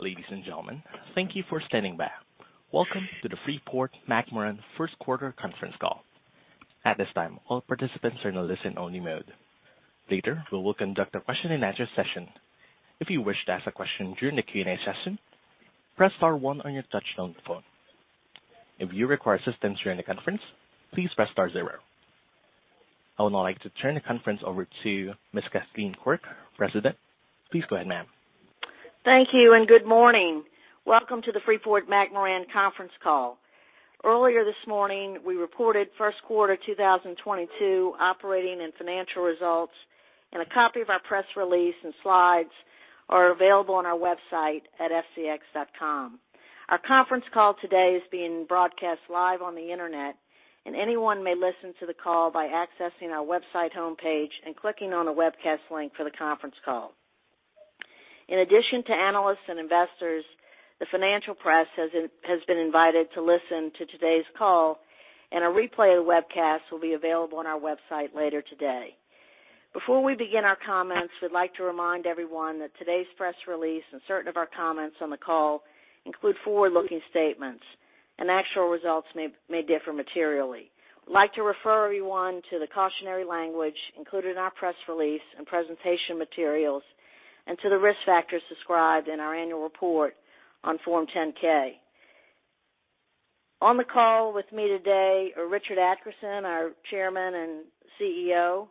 Ladies and gentlemen, thank you for standing by. Welcome to the Freeport-McMoRan First Quarter Conference Call. At this time, all participants are in a listen-only mode. Later, we will conduct a question-and-answer session. If you wish to ask a question during the Q&A session, press star one on your touchtone phone. If you require assistance during the conference, please press star zero. I would now like to turn the conference over to Ms. Kathleen Quirk, President. Please go ahead, ma'am. Thank you, and good morning. Welcome to the Freeport-McMoRan conference call. Earlier this morning, we reported first quarter 2022 operating and financial results, and a copy of our press release and slides are available on our website at fcx.com. Our conference call today is being broadcast live on the Internet, and anyone may listen to the call by accessing our website homepage and clicking on the webcast link for the conference call. In addition to analysts and investors, the financial press has been invited to listen to today's call, and a replay of the webcast will be available on our website later today. Before we begin our comments, we'd like to remind everyone that today's press release and certain of our comments on the call include forward-looking statements and actual results may differ materially. We'd like to refer everyone to the cautionary language included in our press release and presentation materials and to the risk factors described in our annual report on Form 10-K. On the call with me today are Richard C. Adkerson, our Chairman and CEO.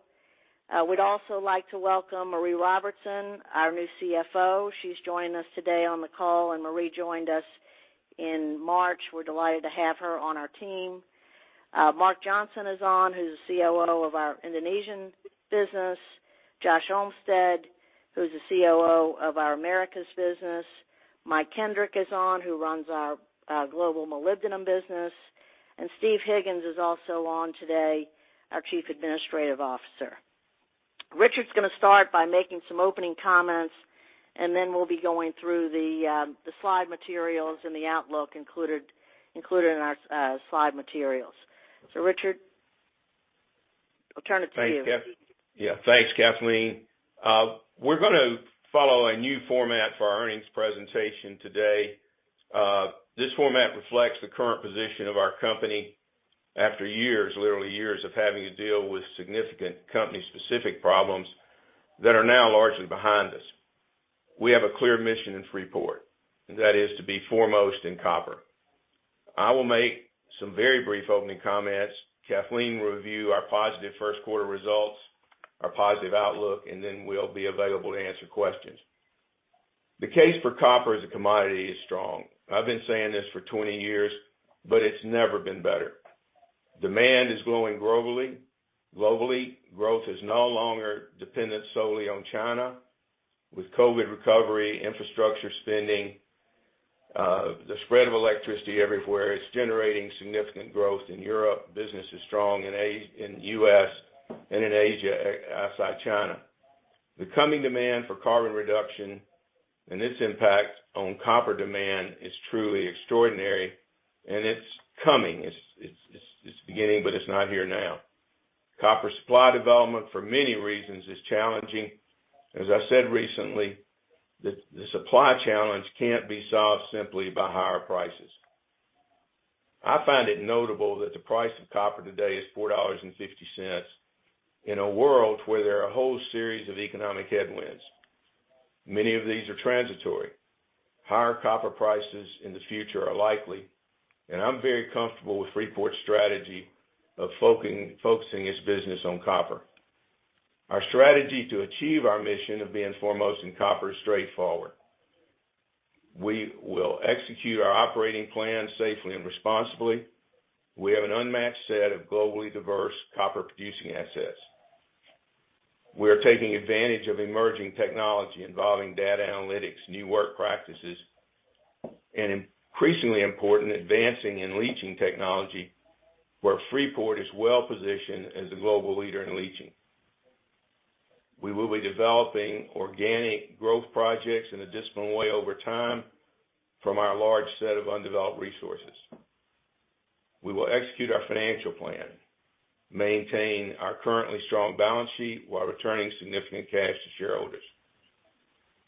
We'd also like to welcome Maree Robertson, our new CFO. She's joining us today on the call, and Maree joined us in March. We're delighted to have her on our team. Mark J. Johnson is on, who's the COO of our Indonesian business. Josh Olmsted, who's the COO of our Americas business. Michael J. Kendrick is on, who runs our global molybdenum business. Stephen Higgins is also on today, our Chief Administrative Officer. Richard's gonna start by making some opening comments, and then we'll be going through the slide materials and the outlook included in our slide materials. Richard, I'll turn it to you. Yeah, thanks, Kathleen. We're gonna follow a new format for our earnings presentation today. This format reflects the current position of our company after years, literally years, of having to deal with significant company-specific problems that are now largely behind us. We have a clear mission in Freeport, and that is to be foremost in copper. I will make some very brief opening comments. Kathleen will review our positive first quarter results, our positive outlook, and then we'll be available to answer questions. The case for copper as a commodity is strong. I've been saying this for 20 years, but it's never been better. Demand is growing globally. Globally, growth is no longer dependent solely on China. With COVID recovery, infrastructure spending, the spread of electricity everywhere, it's generating significant growth. In Europe, business is strong. In the U.S. and in Asia outside China. The coming demand for carbon reduction and its impact on copper demand is truly extraordinary, and it's coming. It's beginning, but it's not here now. Copper supply development for many reasons is challenging. As I said recently, the supply challenge can't be solved simply by higher prices. I find it notable that the price of copper today is $4.50 in a world where there are a whole series of economic headwinds. Many of these are transitory. Higher copper prices in the future are likely, and I'm very comfortable with Freeport's strategy of focusing its business on copper. Our strategy to achieve our mission of being foremost in copper is straightforward. We will execute our operating plan safely and responsibly. We have an unmatched set of globally diverse copper producing assets. We are taking advantage of emerging technology involving data analytics, new work practices, and increasingly important, advancing in leaching technology, where Freeport is well-positioned as a global leader in leaching. We will be developing organic growth projects in a disciplined way over time from our large set of undeveloped resources. We will execute our financial plan, maintain our currently strong balance sheet while returning significant cash to shareholders.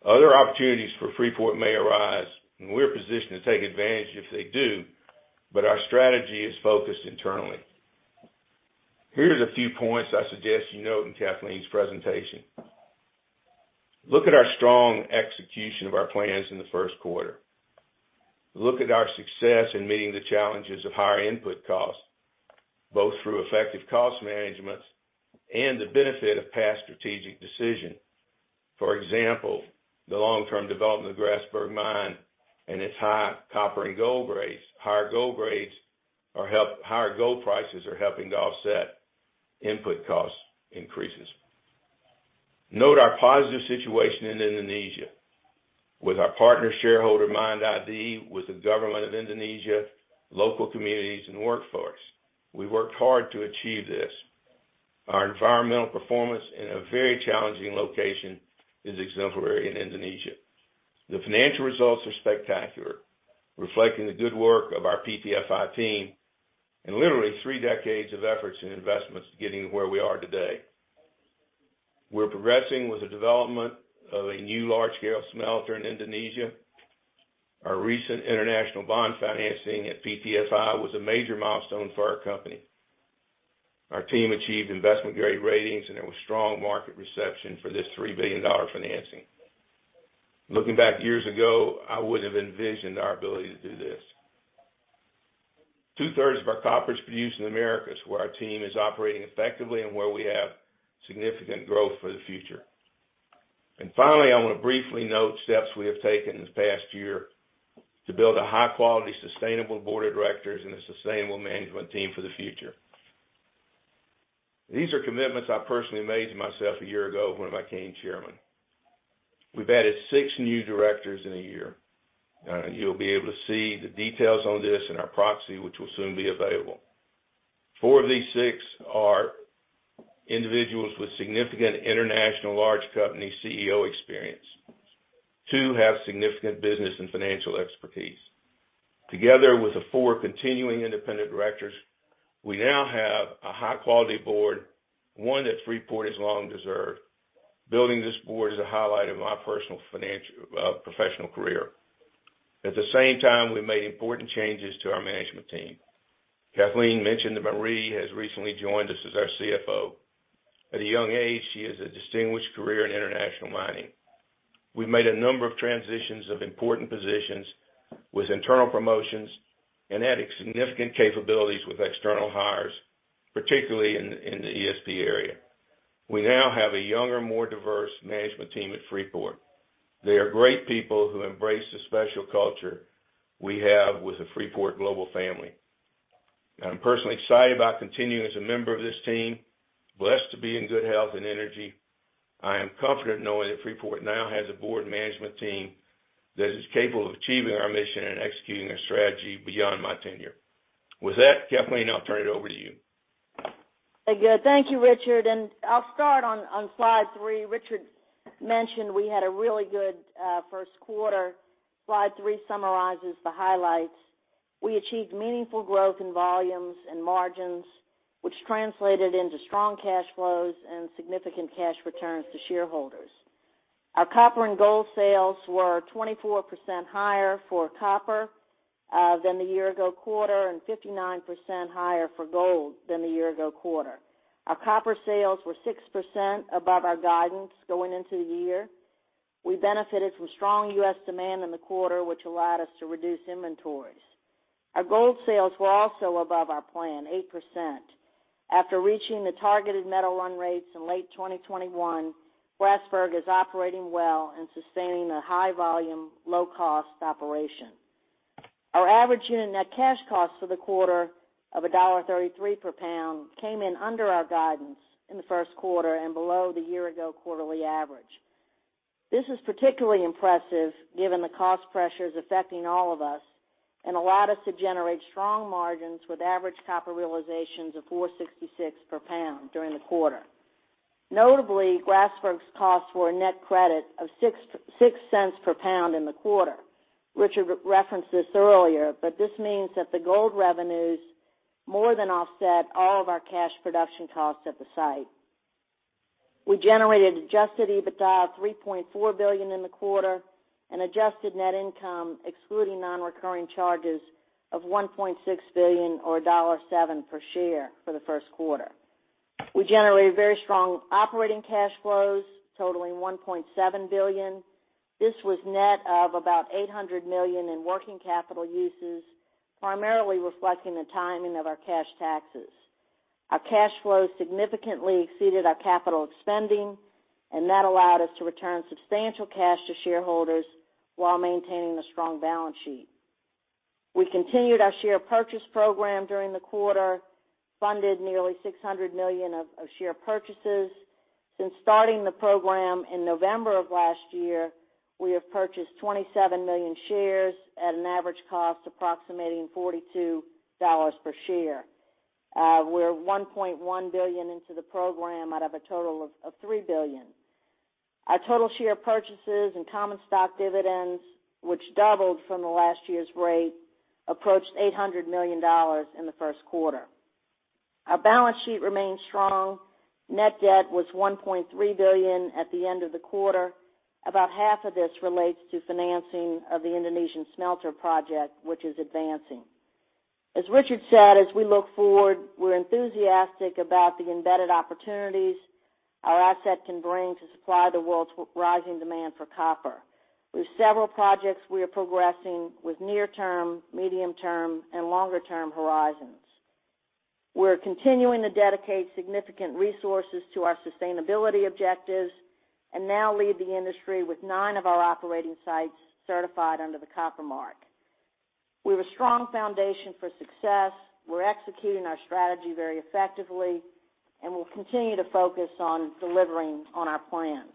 Other opportunities for Freeport may arise, and we're positioned to take advantage if they do, but our strategy is focused internally. Here's a few points I suggest you note in Kathleen's presentation. Look at our strong execution of our plans in the first quarter. Look at our success in meeting the challenges of higher input costs, both through effective cost management and the benefit of past strategic decisions. For example, the long-term development of Grasberg mine and its high copper and gold grades. Higher gold prices are helping to offset input cost increases. Note our positive situation in Indonesia with our partner shareholder MIND ID, with the government of Indonesia, local communities, and workforce. We worked hard to achieve this. Our environmental performance in a very challenging location is exemplary in Indonesia. The financial results are spectacular, reflecting the good work of our PTFI team. Literally three decades of efforts and investments getting where we are today. We're progressing with the development of a new large-scale smelter in Indonesia. Our recent international bond financing at PTFI was a major milestone for our company. Our team achieved investment-grade ratings, and there was strong market reception for this $3 billion financing. Looking back years ago, I wouldn't have envisioned our ability to do this. 2/3 of our copper is produced in the Americas, where our team is operating effectively and where we have significant growth for the future. Finally, I wanna briefly note steps we have taken this past year to build a high-quality, sustainable board of directors and a sustainable management team for the future. These are commitments I personally made to myself a year ago when I became chairman. We've added six new directors in a year. You'll be able to see the details on this in our proxy, which will soon be available. Four of these six are individuals with significant international large company CEO experience. Two have significant business and financial expertise. Together with the four continuing independent directors, we now have a high-quality board, one that Freeport has long deserved. Building this board is a highlight of my professional career. At the same time, we made important changes to our management team. Kathleen mentioned that Maree has recently joined us as our CFO. At a young age, she has a distinguished career in international mining. We've made a number of transitions of important positions with internal promotions and added significant capabilities with external hires, particularly in the ESG area. We now have a younger, more diverse management team at Freeport. They are great people who embrace the special culture we have with the Freeport global family. I'm personally excited about continuing as a member of this team, blessed to be in good health and energy. I am confident knowing that Freeport now has a board management team that is capable of achieving our mission and executing our strategy beyond my tenure. With that, Kathleen, I'll turn it over to you. Very good. Thank you, Richard. I'll start on slide three. Richard mentioned we had a really good first quarter. Slide three summarizes the highlights. We achieved meaningful growth in volumes and margins, which translated into strong cash flows and significant cash returns to shareholders. Our copper and gold sales were 24% higher for copper than the year-ago quarter, and 59% higher for gold than the year-ago quarter. Our copper sales were 6% above our guidance going into the year. We benefited from strong U.S. demand in the quarter, which allowed us to reduce inventories. Our gold sales were also above our plan, 8%. After reaching the targeted metal run rates in late 2021, Grasberg is operating well and sustaining a high volume, low cost operation. Our average unit net cash cost for the quarter of $1.33 per lb came in under our guidance in the first quarter and below the year ago quarterly average. This is particularly impressive given the cost pressures affecting all of us and allowed us to generate strong margins with average copper realizations of $4.66 per lb during the quarter. Notably, Grasberg's costs were a net credit of $0.066 per lb in the quarter. Richard referenced this earlier, but this means that the gold revenues more than offset all of our cash production costs at the site. We generated adjusted EBITDA of $3.4 billion in the quarter and adjusted net income, excluding non-recurring charges, of $1.6 billion or $1.07 per share for the first quarter. We generated very strong operating cash flows totaling $1.7 billion. This was net of about $800 million in working capital uses, primarily reflecting the timing of our cash taxes. Our cash flows significantly exceeded our capital spending, and that allowed us to return substantial cash to shareholders while maintaining a strong balance sheet. We continued our share purchase program during the quarter, funded nearly $600 million of share purchases. Since starting the program in November of last year, we have purchased 27 million shares at an average cost approximating $42 per share. We're $1.1 billion into the program out of a total of $3 billion. Our total share purchases and common stock dividends, which doubled from the last year's rate, approached $800 million in the first quarter. Our balance sheet remains strong. Net debt was $1.3 billion at the end of the quarter. About half of this relates to financing of the Indonesian smelter project, which is advancing. As Richard said, as we look forward, we're enthusiastic about the embedded opportunities our asset can bring to supply the world's rising demand for copper. With several projects we are progressing with near-term, medium-term, and longer-term horizons. We're continuing to dedicate significant resources to our sustainability objectives and now lead the industry with nine of our operating sites certified under the Copper Mark. We have a strong foundation for success. We're executing our strategy very effectively, and we'll continue to focus on delivering on our plans.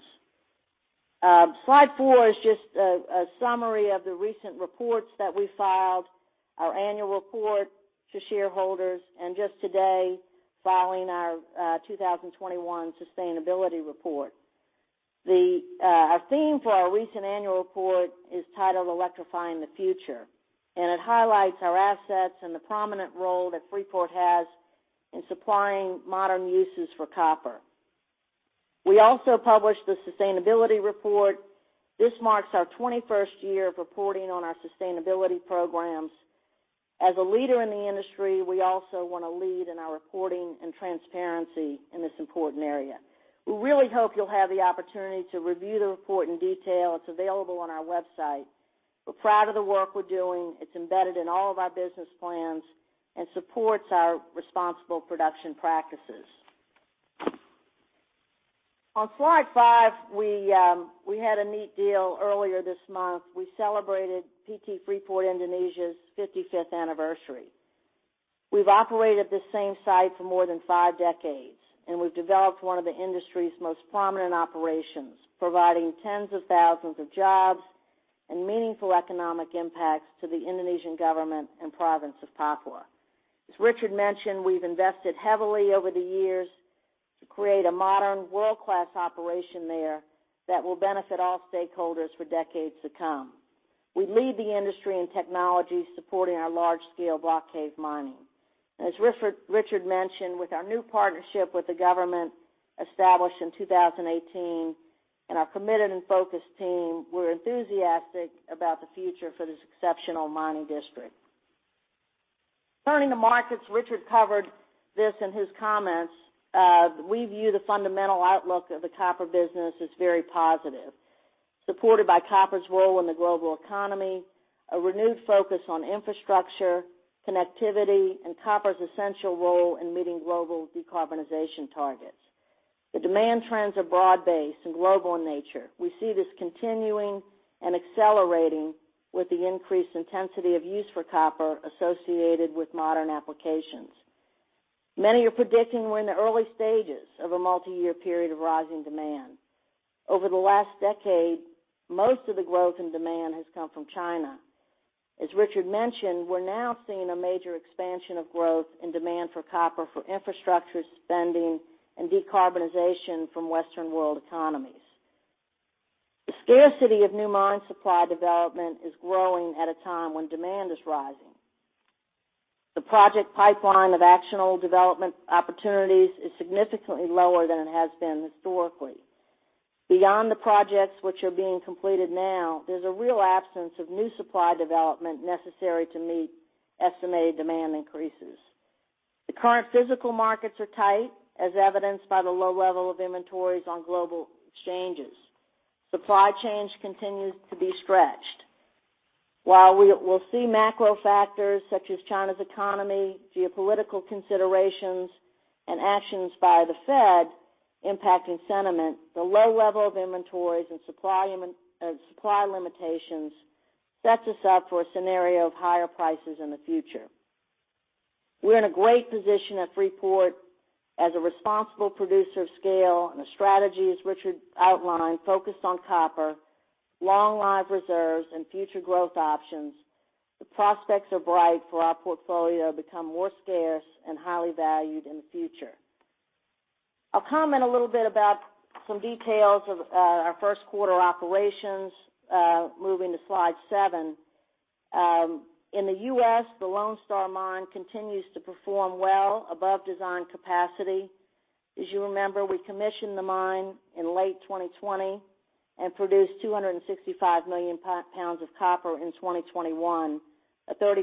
Slide four is just a summary of the recent reports that we filed, our annual report to shareholders, and just today, filing our 2021 sustainability report. Our theme for our recent annual report is titled Electrifying the Future, and it highlights our assets and the prominent role that Freeport has in supplying modern uses for copper. We also published the sustainability report. This marks our 21st year of reporting on our sustainability programs. As a leader in the industry, we also wanna lead in our reporting and transparency in this important area. We really hope you'll have the opportunity to review the report in detail. It's available on our website. We're proud of the work we're doing. It's embedded in all of our business plans and supports our responsible production practices. On slide five, we had a neat deal earlier this month. We celebrated PT Freeport Indonesia's fifty-fifth anniversary. We've operated this same site for more than five decades, and we've developed one of the industry's most prominent operations, providing tens of thousands of jobs and meaningful economic impacts to the Indonesian government and province of Papua. As Richard mentioned, we've invested heavily over the years to create a modern world-class operation there that will benefit all stakeholders for decades to come. We lead the industry in technology supporting our large-scale block cave mining. As Richard mentioned, with our new partnership with the government established in 2018 and our committed and focused team, we're enthusiastic about the future for this exceptional mining district. Turning to markets, Richard covered this in his comments. We view the fundamental outlook of the copper business as very positive, supported by copper's role in the global economy, a renewed focus on infrastructure, connectivity, and copper's essential role in meeting global decarbonization targets. The demand trends are broad-based and global in nature. We see this continuing and accelerating with the increased intensity of use for copper associated with modern applications. Many are predicting we're in the early stages of a multiyear period of rising demand. Over the last decade, most of the growth and demand has come from China. As Richard mentioned, we're now seeing a major expansion of growth and demand for copper for infrastructure spending and decarbonization from Western world economies. The scarcity of new mine supply development is growing at a time when demand is rising. The project pipeline of actionable development opportunities is significantly lower than it has been historically. Beyond the projects which are being completed now, there's a real absence of new supply development necessary to meet estimated demand increases. The current physical markets are tight, as evidenced by the low level of inventories on global exchanges. Supply chains continue to be stretched. While we'll see macro factors such as China's economy, geopolitical considerations, and actions by the Fed impacting sentiment, the low level of inventories and supply limitations sets us up for a scenario of higher prices in the future. We're in a great position at Freeport as a responsible producer of scale and a strategy, as Richard outlined, focused on copper, long-lived reserves, and future growth options. The prospects are bright for our portfolio to become more scarce and highly valued in the future. I'll comment a little bit about some details of our first quarter operations, moving to slide seven. In the U.S., the Lone Star mine continues to perform well above design capacity. As you remember, we commissioned the mine in late 2020 and produced 265 million lbs of copper in 2021, a 30%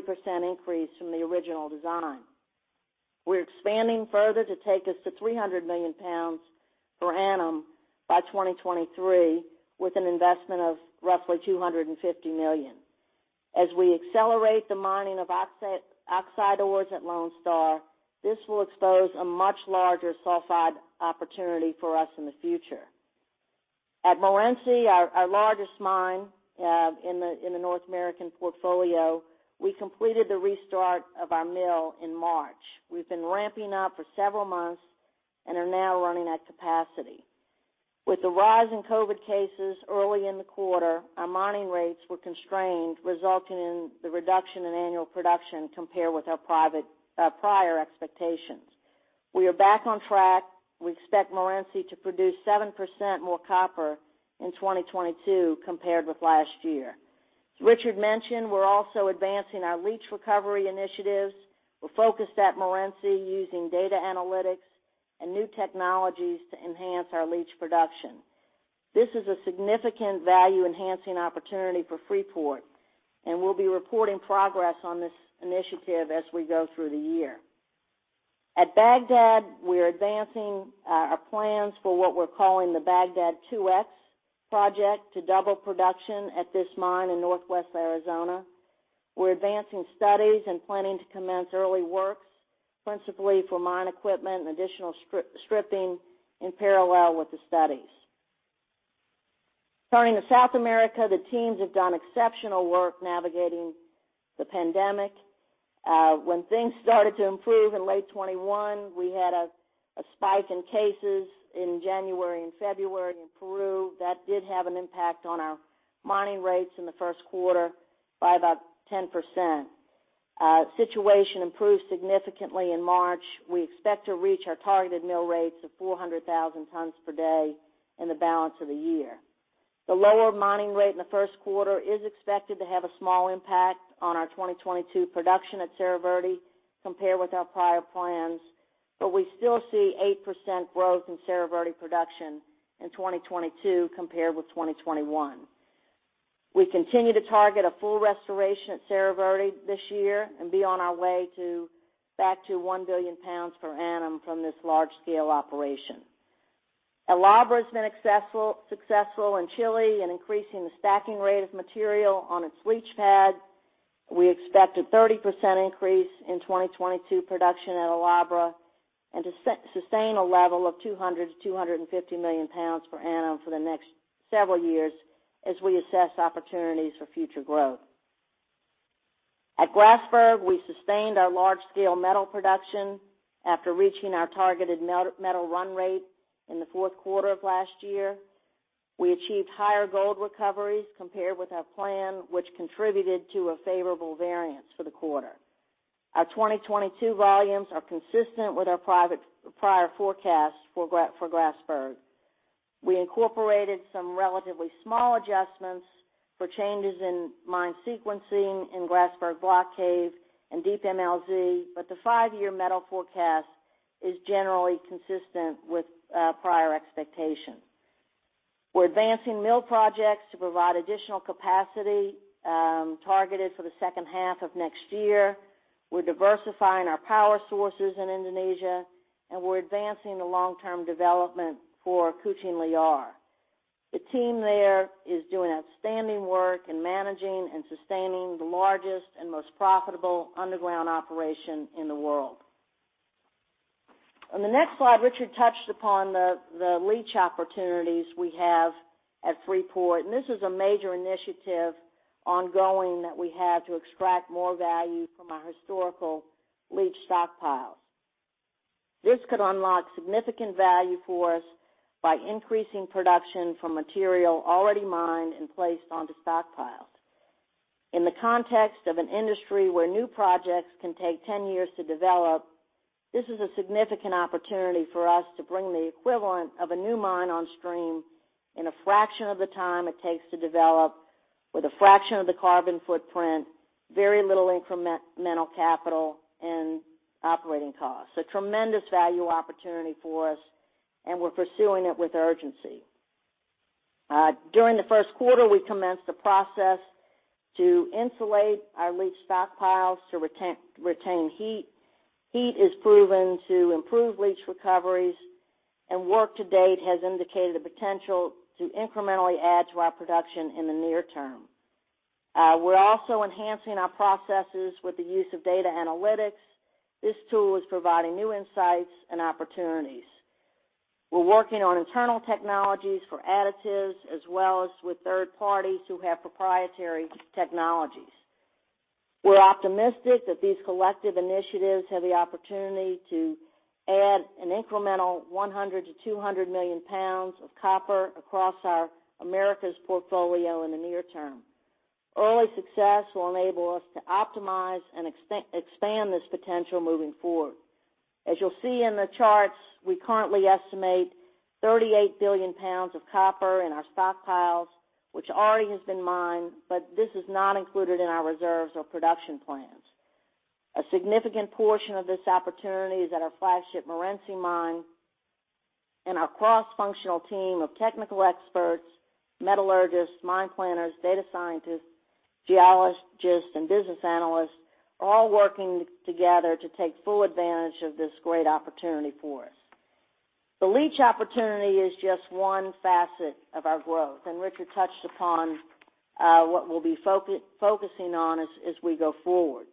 increase from the original design. We're expanding further to take us to 300 million lbs per annum by 2023 with an investment of roughly $250 million. As we accelerate the mining of oxide ores at Lone Star, this will expose a much larger sulfide opportunity for us in the future. At Morenci, our largest mine in the North American portfolio, we completed the restart of our mill in March. We've been ramping up for several months and are now running at capacity. With the rise in COVID cases early in the quarter, our mining rates were constrained, resulting in the reduction in annual production compared with our prior expectations. We are back on track. We expect Morenci to produce 7% more copper in 2022 compared with last year. As Richard mentioned, we're also advancing our leach recovery initiatives. We're focused at Morenci using data analytics and new technologies to enhance our leach production. This is a significant value-enhancing opportunity for Freeport, and we'll be reporting progress on this initiative as we go through the year. At Bagdad, we're advancing our plans for what we're calling the Bagdad 2X project to double production at this mine in northwest Arizona. We're advancing studies and planning to commence early works, principally for mine equipment and additional stripping in parallel with the studies. Turning to South America, the teams have done exceptional work navigating the pandemic. When things started to improve in late 2021, we had a spike in cases in January and February in Peru. That did have an impact on our mining rates in the first quarter by about 10%. Situation improved significantly in March. We expect to reach our targeted mill rates of 400,000 tons per day in the balance of the year. The lower mining rate in the first quarter is expected to have a small impact on our 2022 production at Cerro Verde compared with our prior plans, but we still see 8% growth in Cerro Verde production in 2022 compared with 2021. We continue to target a full restoration at Cerro Verde this year and be on our way back to 1 billion lbs per annum from this large-scale operation. El Abra has been successful in Chile in increasing the stacking rate of material on its leach pad. We expect a 30% increase in 2022 production at El Abra and sustain a level of 200-250 million lbs per annum for the next several years as we assess opportunities for future growth. At Grasberg, we sustained our large-scale metal production after reaching our targeted metal run rate in the fourth quarter of last year. We achieved higher gold recoveries compared with our plan, which contributed to a favorable variance for the quarter. Our 2022 volumes are consistent with our prior forecast for Grasberg. We incorporated some relatively small adjustments for changes in mine sequencing in Grasberg Block Cave and Deep MLZ, but the five-year metal forecast is generally consistent with prior expectations. We're advancing mill projects to provide additional capacity targeted for the second half of next year. We're diversifying our power sources in Indonesia, and we're advancing the long-term development for Kucing Liar. The team there is doing outstanding work in managing and sustaining the largest and most profitable underground operation in the world. On the next slide, Richard touched upon the leach opportunities we have at Freeport, and this is a major initiative ongoing that we have to extract more value from our historical leach stockpiles. This could unlock significant value for us by increasing production from material already mined and placed onto stockpiles. In the context of an industry where new projects can take 10 years to develop, this is a significant opportunity for us to bring the equivalent of a new mine on stream in a fraction of the time it takes to develop with a fraction of the carbon footprint, very little incremental capital and operating costs. A tremendous value opportunity for us, and we're pursuing it with urgency. During the first quarter, we commenced the process to insulate our leach stockpiles to retain heat. Heat is proven to improve leach recoveries, and work to date has indicated the potential to incrementally add to our production in the near term. We're also enhancing our processes with the use of data analytics. This tool is providing new insights and opportunities. We're working on internal technologies for additives as well as with third parties who have proprietary technologies. We're optimistic that these collective initiatives have the opportunity to add an incremental 100-200 million lbs of copper across our Americas portfolio in the near term. Early success will enable us to optimize and expand this potential moving forward. As you'll see in the charts, we currently estimate 38 billion lbs of copper in our stockpiles, which already has been mined, but this is not included in our reserves or production plans. A significant portion of this opportunity is at our flagship Morenci mine and our cross-functional team of technical experts, metallurgists, mine planners, data scientists, geologists, and business analysts all working together to take full advantage of this great opportunity for us. The leach opportunity is just one facet of our growth, and Richard touched upon what we'll be focusing on as we go forward.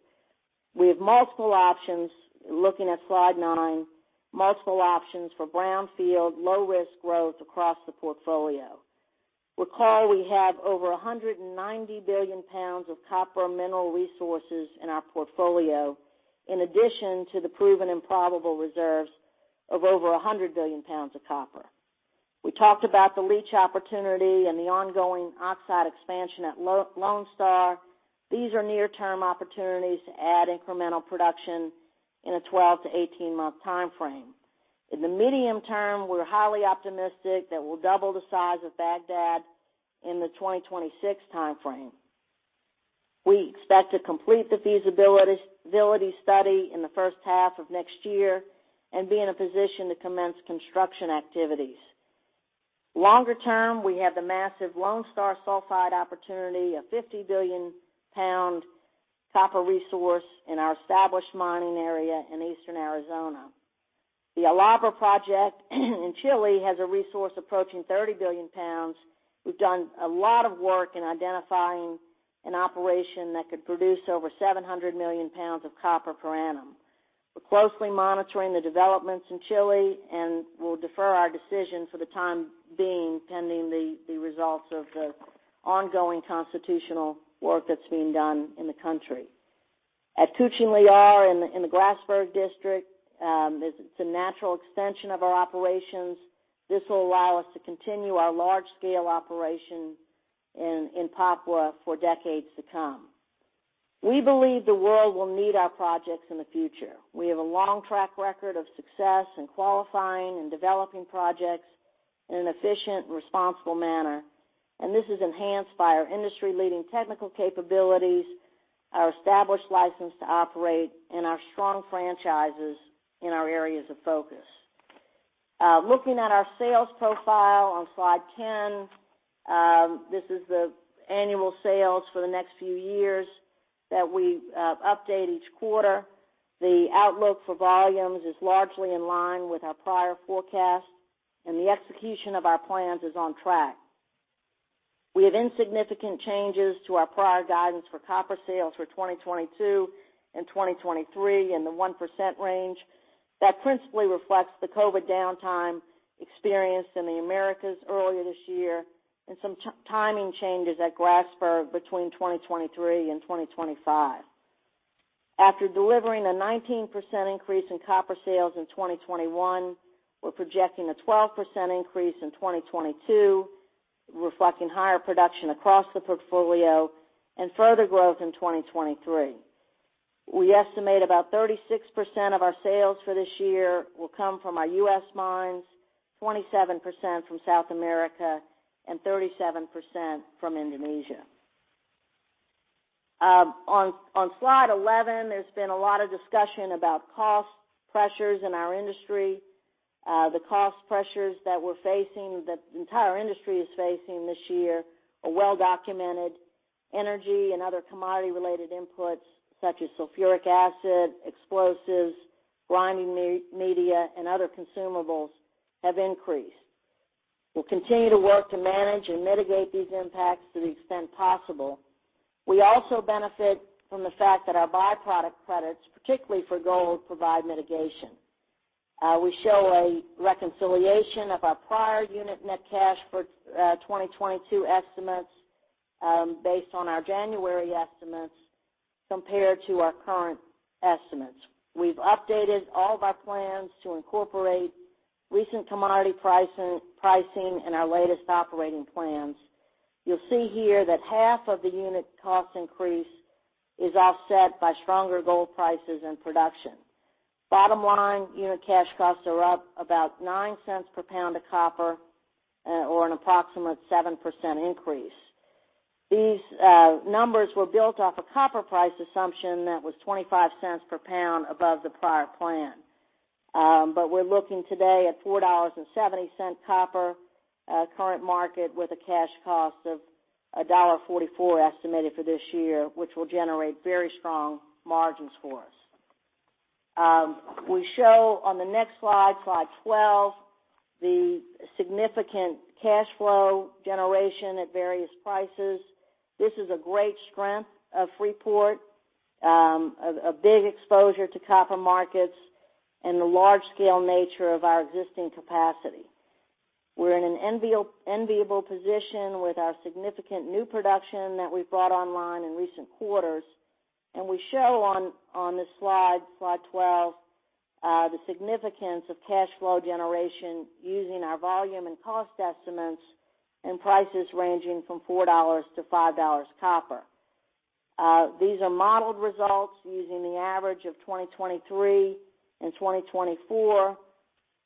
We have multiple options, looking at slide nine, multiple options for brownfield, low-risk growth across the portfolio. Recall we have over 190 billion lbs of copper mineral resources in our portfolio, in addition to the proven and probable reserves of over 100 billion lbs of copper. We talked about the leach opportunity and the ongoing oxide expansion at Lone Star. These are near-term opportunities to add incremental production in a 12-18-month timeframe. In the medium term, we're highly optimistic that we'll double the size of Bagdad in the 2026 timeframe. We expect to complete the feasibility study in the first half of next year and be in a position to commence construction activities. Longer term, we have the massive Lone Star sulfide opportunity, a 50-billion-lb copper resource in our established mining area in eastern Arizona. The El Abra project in Chile has a resource approaching 30 billion lbs. We've done a lot of work in identifying an operation that could produce over 700 million lbs of copper per annum. We're closely monitoring the developments in Chile, and we'll defer our decision for the time being pending the results of the ongoing constitutional work that's being done in the country. At Kucing Liar in the Grasberg District, it's a natural extension of our operations. This will allow us to continue our large-scale operation in Papua for decades to come. We believe the world will need our projects in the future. We have a long track record of success in qualifying and developing projects in an efficient and responsible manner, and this is enhanced by our industry-leading technical capabilities, our established license to operate and our strong franchises in our areas of focus. Looking at our sales profile on slide 10, this is the annual sales for the next few years that we update each quarter. The outlook for volumes is largely in line with our prior forecast, and the execution of our plans is on track. We have insignificant changes to our prior guidance for copper sales for 2022 and 2023 in the 1% range. That principally reflects the COVID downtime experienced in the Americas earlier this year and some timing changes at Grasberg between 2023 and 2025. After delivering a 19% increase in copper sales in 2021, we're projecting a 12% increase in 2022, reflecting higher production across the portfolio and further growth in 2023. We estimate about 36% of our sales for this year will come from our U.S. mines, 27% from South America and 37% from Indonesia. On slide 11, there's been a lot of discussion about cost pressures in our industry. The cost pressures that we're facing, that the entire industry is facing this year are well documented. Energy and other commodity-related inputs such as sulfuric acid, explosives, grinding media and other consumables have increased. We'll continue to work to manage and mitigate these impacts to the extent possible. We also benefit from the fact that our by-product credits, particularly for gold, provide mitigation. We show a reconciliation of our prior unit net cash for 2022 estimates, based on our January estimates compared to our current estimates. We've updated all of our plans to incorporate recent commodity pricing in our latest operating plans. You'll see here that half of the unit cost increase is offset by stronger gold prices and production. Bottom line, unit cash costs are up about $0.09 per lb of copper, or an approximate 7% increase. These numbers were built off a copper price assumption that was $0.25 per lb above the prior plan. We're looking today at $4.70 copper, current market with a cash cost of $1.44 estimated for this year, which will generate very strong margins for us. We show on the next slide 12, the significant cash flow generation at various prices. This is a great strength of Freeport, a big exposure to copper markets and the large scale nature of our existing capacity. We're in an enviable position with our significant new production that we've brought online in recent quarters, and we show on this slide 12, the significance of cash flow generation using our volume and cost estimates and prices ranging from $4-$5 copper. These are modeled results using the average of 2023 and 2024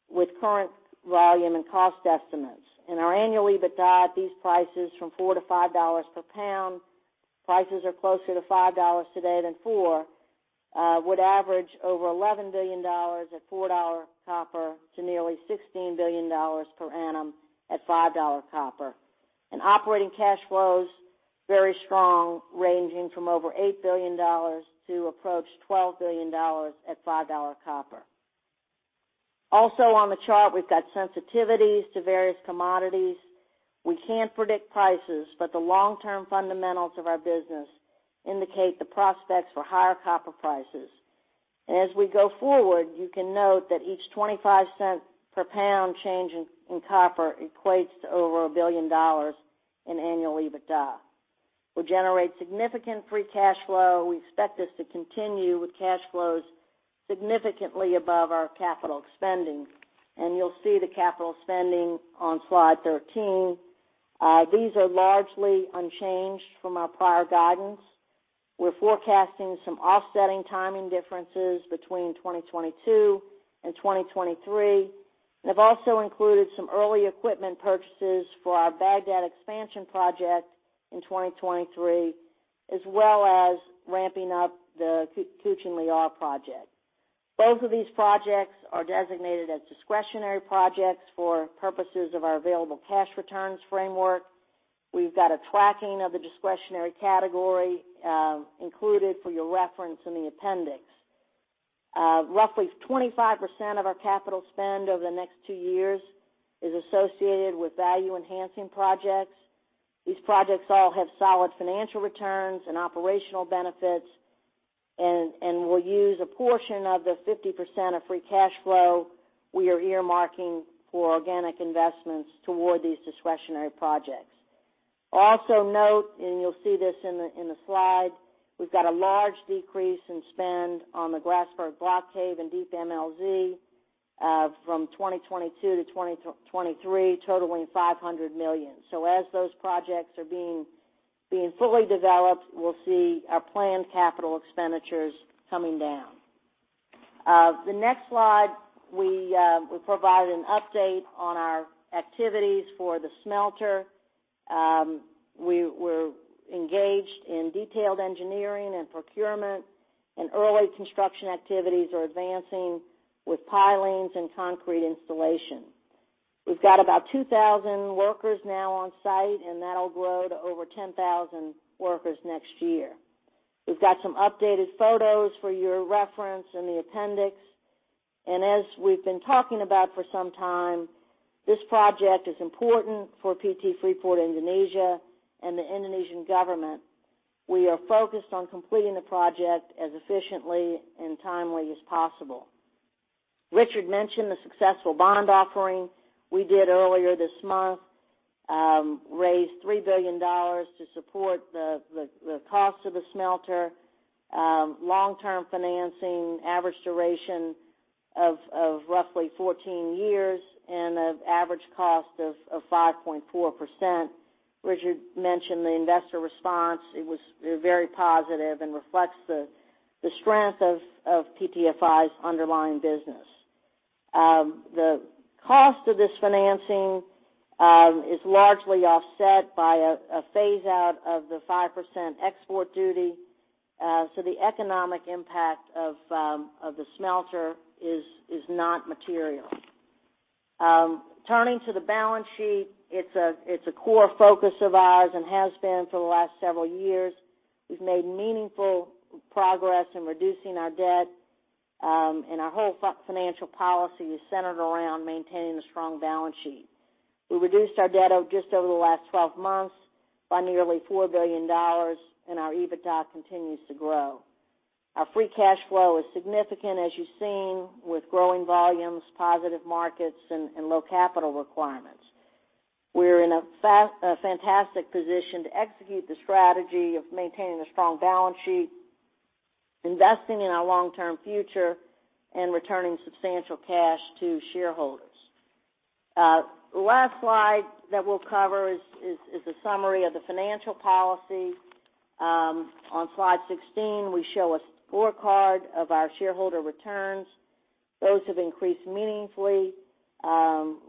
with current volume and cost estimates. In our annual EBITDA at these prices from $4-$5 per lb, prices are closer to $5 today than $4, would average over $11 billion at $4 copper to nearly $16 billion per annum at $5 copper. Operating cash flows, very strong, ranging from over $8 billion to approach $12 billion at $5 copper. Also on the chart, we've got sensitivities to various commodities. We can't predict prices, but the long-term fundamentals of our business indicate the prospects for higher copper prices. As we go forward, you can note that each $0.25 per lb change in copper equates to over $1 billion in annual EBITDA. We generate significant free cash flow. We expect this to continue with cash flows significantly above our capital spending. You'll see the capital spending on slide 13. These are largely unchanged from our prior guidance. We're forecasting some offsetting timing differences between 2022 and 2023, and have also included some early equipment purchases for our Bagdad expansion project in 2023, as well as ramping up the Kucing Liar project. Both of these projects are designated as discretionary projects for purposes of our available cash returns framework. We've got a tracking of the discretionary category, included for your reference in the appendix. Roughly 25% of our capital spend over the next two years is associated with value-enhancing projects. These projects all have solid financial returns and operational benefits and will use a portion of the 50% of free cash flow we are earmarking for organic investments toward these discretionary projects. Also note, and you'll see this in the slide, we've got a large decrease in spend on the Grasberg Block Cave and Deep MLZ from 2022 to 2023 totaling $500 million. As those projects are being fully developed, we'll see our planned capital expenditures coming down. The next slide, we provide an update on our activities for the smelter. We're engaged in detailed engineering and procurement, and early construction activities are advancing with pilings and concrete installation. We've got about 2,000 workers now on site, and that'll grow to over 10,000 workers next year. We've got some updated photos for your reference in the appendix. As we've been talking about for some time, this project is important for PT Freeport Indonesia and the Indonesian government. We are focused on completing the project as efficiently and timely as possible. Richard mentioned the successful bond offering we did earlier this month, raised $3 billion to support the cost of the smelter, long-term financing, average duration of roughly 14 years and an average cost of 5.4%. Richard mentioned the investor response. It was very positive and reflects the strength of PTFI's underlying business. The cost of this financing is largely offset by a phase out of the 5% export duty. So the economic impact of the smelter is not material. Turning to the balance sheet, it's a core focus of ours and has been for the last several years. We've made meaningful progress in reducing our debt, and our whole financial policy is centered around maintaining a strong balance sheet. We reduced our debt over just the last twelve months by nearly $4 billion, and our EBITDA continues to grow. Our free cash flow is significant, as you've seen, with growing volumes, positive markets, and low capital requirements. We're in a fantastic position to execute the strategy of maintaining a strong balance sheet, investing in our long-term future, and returning substantial cash to shareholders. The last slide that we'll cover is a summary of the financial policy. On slide 16, we show a scorecard of our shareholder returns. Those have increased meaningfully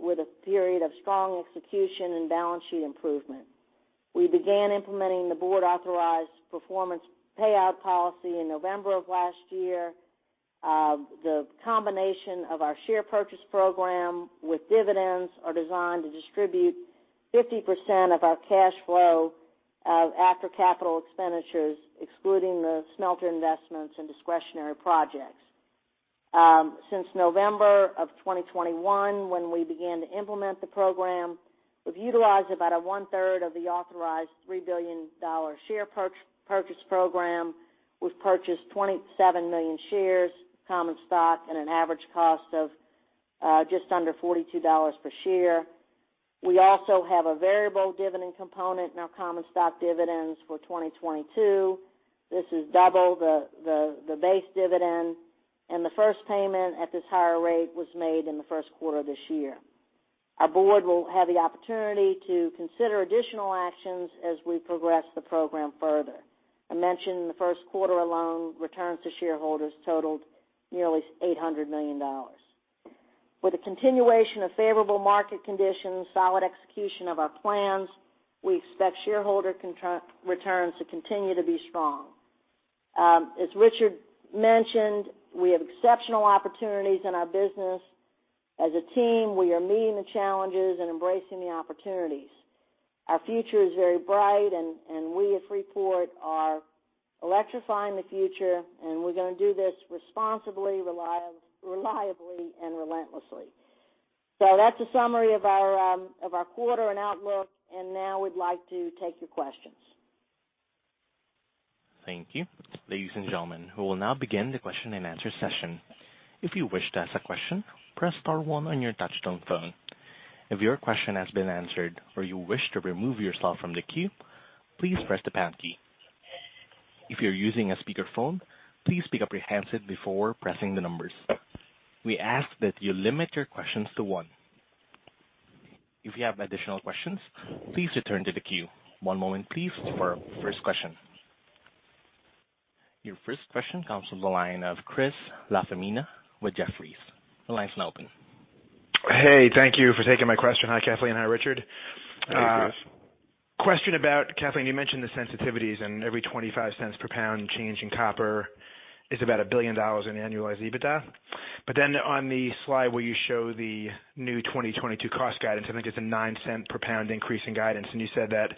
with a period of strong execution and balance sheet improvement. We began implementing the board-authorized performance payout policy in November of last year. The combination of our share purchase program with dividends are designed to distribute 50% of our cash flow after capital expenditures, excluding the smelter investments and discretionary projects. Since November 2021, when we began to implement the program, we've utilized about a one-third of the authorized $3 billion share purchase program. We've purchased 27 million shares common stock at an average cost of just under $42 per share. We also have a variable dividend component in our common stock dividends for 2022. This is double the base dividend, and the first payment at this higher rate was made in the first quarter of this year. Our board will have the opportunity to consider additional actions as we progress the program further. I mentioned in the first quarter alone, returns to shareholders totaled nearly $800 million. With the continuation of favorable market conditions, solid execution of our plans, we expect shareholder returns to continue to be strong. As Richard mentioned, we have exceptional opportunities in our business. As a team, we are meeting the challenges and embracing the opportunities. Our future is very bright and we as Freeport are electrifying the future, and we're gonna do this responsibly, reliably, and relentlessly. That's a summary of our quarter and outlook, and now we'd like to take your questions. Thank you. Ladies and gentlemen, we will now begin the question-and-answer session. If you wish to ask a question, press star one on your touchtone phone. If your question has been answered or you wish to remove yourself from the queue, please press the lb key. If you're using a speakerphone, please pick up your handset before pressing the numbers. We ask that you limit your questions to one. If you have additional questions, please return to the queue. One moment, please, for our first question. Your first question comes from the line of Chris LaFemina with Jefferies. The line's now open. Hey, thank you for taking my question. Hi, Kathleen. Hi, Richard. Hi, Chris. Question about Kathleen, you mentioned the sensitivities and every $0.25 per lb change in copper is about $1 billion in annualized EBITDA. But then on the slide where you show the new 2022 cost guidance, I think it's a $0.09 per lb increase in guidance. And you said that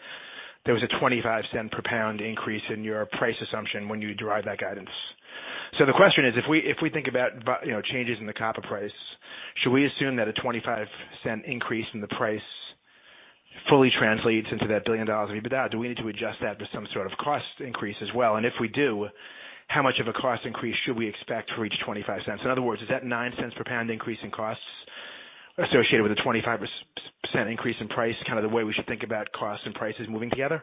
there was a $0.25 per lb increase in your price assumption when you derive that guidance. So the question is, if we think about, you know, changes in the copper price, should we assume that a $0.25 increase in the price fully translates into that $1 billion of EBITDA? Do we need to adjust that to some sort of cost increase as well? And if we do, how much of a cost increase should we expect for each $0.25? In other words, is that $0.09 per lb increase in cost associated with the 25% increase in price, kind of the way we should think about costs and prices moving together?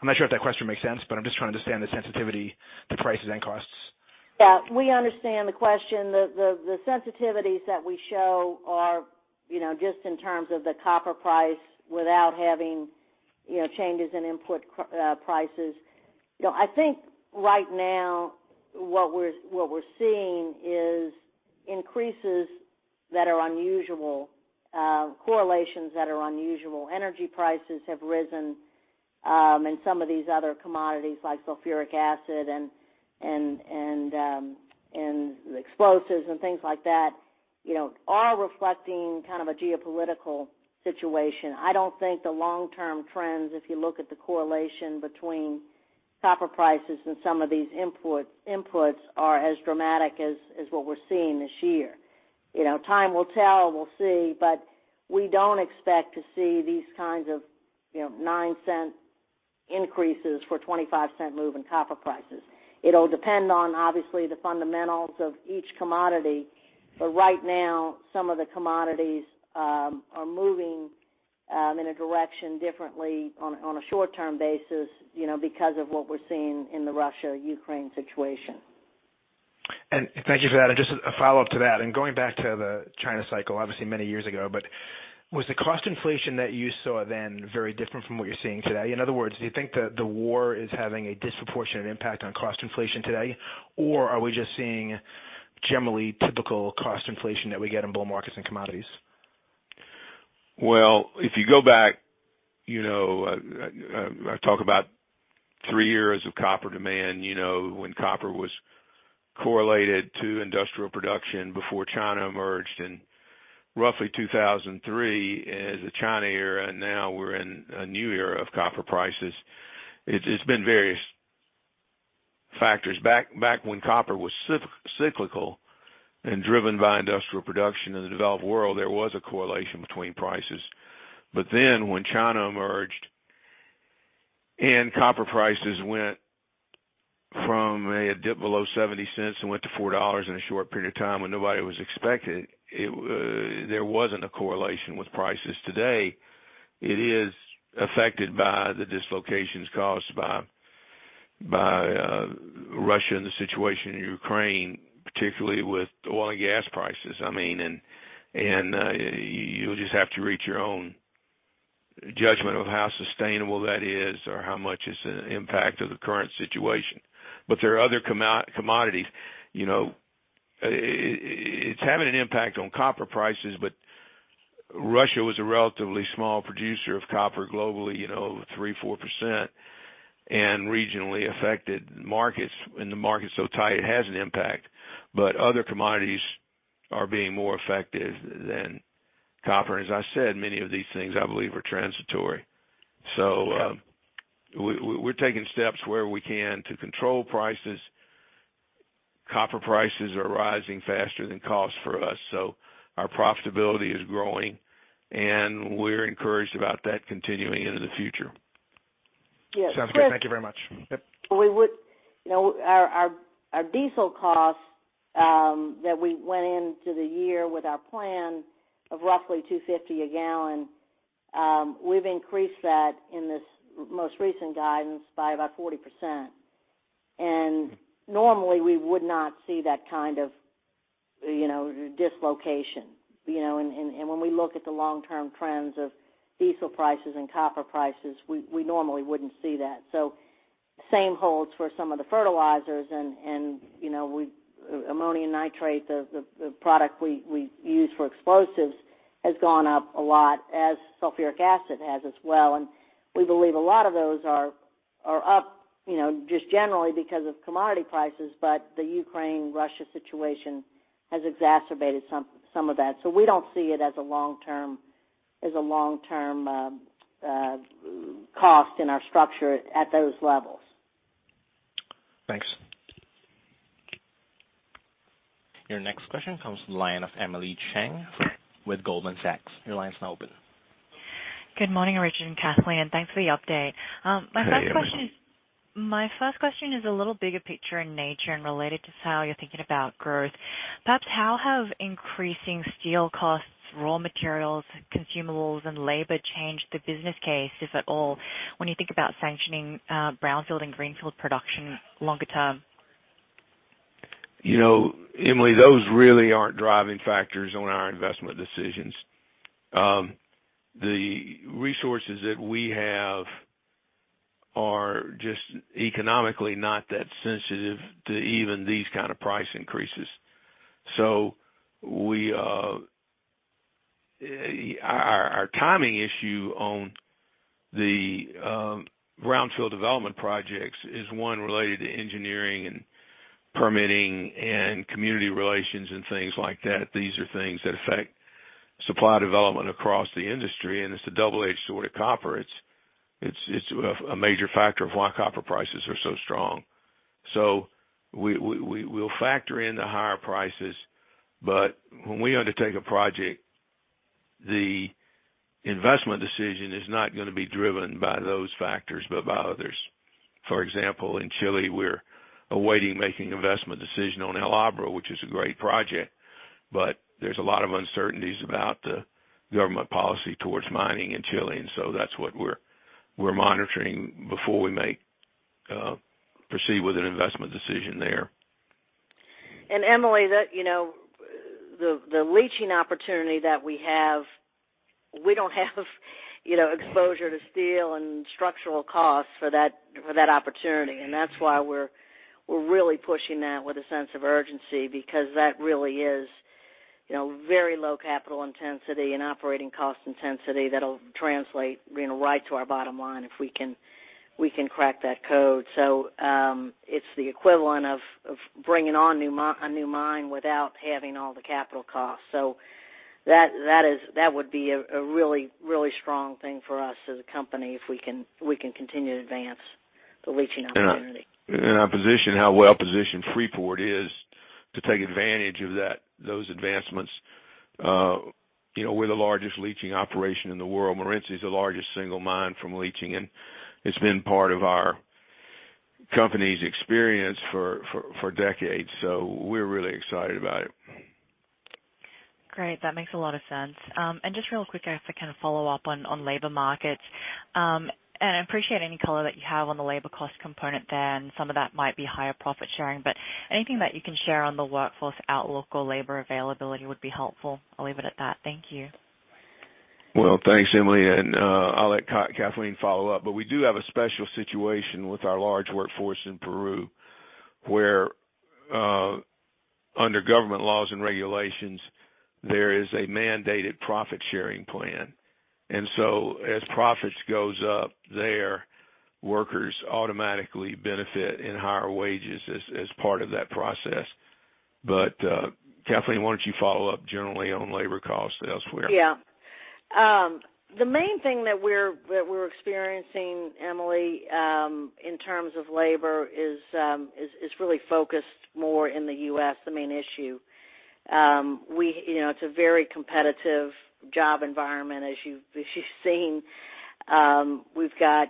I'm not sure if that question makes sense, but I'm just trying to understand the sensitivity to prices and costs. Yeah. We understand the question. The sensitivities that we show are, you know, just in terms of the copper price without having, you know, changes in input prices. You know, I think right now what we're seeing is increases that are unusual, correlations that are unusual. Energy prices have risen, and some of these other commodities, like sulfuric acid and explosives and things like that, you know, are reflecting kind of a geopolitical situation. I don't think the long-term trends, if you look at the correlation between copper prices and some of these inputs are as dramatic as what we're seeing this year. You know, time will tell. We'll see. But we don't expect to see these kinds of, you know, $0.09 increases for $0.25 move in copper prices. It'll depend on, obviously, the fundamentals of each commodity. Right now, some of the commodities are moving in a direction differently on a short-term basis, you know, because of what we're seeing in the Russia-Ukraine situation. Thank you for that. Just a follow-up to that, and going back to the China cycle, obviously many years ago, but was the cost inflation that you saw then very different from what you're seeing today? In other words, do you think the war is having a disproportionate impact on cost inflation today? Or are we just seeing generally typical cost inflation that we get in bull markets and commodities? Well, if you go back, you know, talk about three years of copper demand, you know, when copper was correlated to industrial production before China emerged in roughly 2003 as the China era, and now we're in a new era of copper prices. It's been various factors. Back when copper was cyclical and driven by industrial production in the developed world, there was a correlation between prices. When China emerged and copper prices went from a dip below $0.70 and went to $4 in a short period of time when nobody was expecting it, there wasn't a correlation with prices. Today, it is affected by the dislocations caused by Russia and the situation in Ukraine, particularly with oil and gas prices. You'll just have to reach your own judgment of how sustainable that is or how much it's an impact of the current situation. There are other commodities. You know, it's having an impact on copper prices, but Russia was a relatively small producer of copper globally, you know, 3%-4%, and regionally affected markets. When the market's so tight, it has an impact, but other commodities are being more affected than copper. As I said, many of these things I believe are transitory. We're taking steps where we can to control prices. Copper prices are rising faster than costs for us, so our profitability is growing, and we're encouraged about that continuing into the future. Yes. Chris- Sounds good. Thank you very much. Yep. You know, our diesel costs that we went into the year with our plan of roughly $2.50 a gallon, we've increased that in this most recent guidance by about 40%. Normally, we would not see that kind of, you know, dislocation, you know. When we look at the long-term trends of diesel prices and copper prices, we normally wouldn't see that. Same holds for some of the fertilizers and, you know, with ammonium nitrate, the product we use for explosives has gone up a lot as sulfuric acid has as well. We believe a lot of those are up, you know, just generally because of commodity prices. The Ukraine-Russia situation has exacerbated some of that. We don't see it as a long-term cost in our structure at those levels. Thanks. Your next question comes from the line of Emily Chang with Goldman Sachs. Your line's now open. Good morning, Richard and Kathleen, and thanks for the update. Hey, Emily. My first question is a little bigger picture in nature and related to how you're thinking about growth. Perhaps how have increasing steel costs, raw materials, consumables, and labor changed the business case, if at all, when you think about sanctioning, brownfield and greenfield production longer term? You know, Emily, those really aren't driving factors on our investment decisions. The resources that we have are just economically not that sensitive to even these kind of price increases. Our timing issue on the brownfield development projects is one related to engineering and permitting and community relations and things like that. These are things that affect supply development across the industry, and it's a double-edged sword of copper. It's a major factor of why copper prices are so strong. We'll factor in the higher prices, but when we undertake a project, the investment decision is not gonna be driven by those factors, but by others. For example, in Chile, we're awaiting making investment decision on El Abra, which is a great project, but there's a lot of uncertainties about the government policy towards mining in Chile. That's what we're monitoring before we proceed with an investment decision there. Emily, that, you know, the leaching opportunity that we have, we don't have, you know, exposure to steel and structural costs for that opportunity. That's why we're really pushing that with a sense of urgency because that really is, you know, very low capital intensity and operating cost intensity that'll translate, you know, right to our bottom line if we can crack that code. It's the equivalent of bringing on a new mine without having all the capital costs. That is a really strong thing for us as a company if we can continue to advance the leaching opportunity. Our position, how well-positioned Freeport is to take advantage of those advancements. You know, we're the largest leaching operation in the world. Morenci is the largest single mine from leaching, and it's been part of our company's experience for decades. We're really excited about it. Great. That makes a lot of sense. Just real quick, I have to kind of follow up on labor markets. I appreciate any color that you have on the labor cost component there, and some of that might be higher profit sharing. Anything that you can share on the workforce outlook or labor availability would be helpful. I'll leave it at that. Thank you. Well, thanks, Emily, and I'll let Kathleen follow up. We do have a special situation with our large workforce in Peru, where under government laws and regulations, there is a mandated profit-sharing plan. As profits goes up there, workers automatically benefit in higher wages as part of that process. Kathleen, why don't you follow up generally on labor costs elsewhere? Yeah. The main thing that we're experiencing, Emily, in terms of labor is really focused more in the U.S., the main issue. You know, it's a very competitive job environment as you've seen. We've got,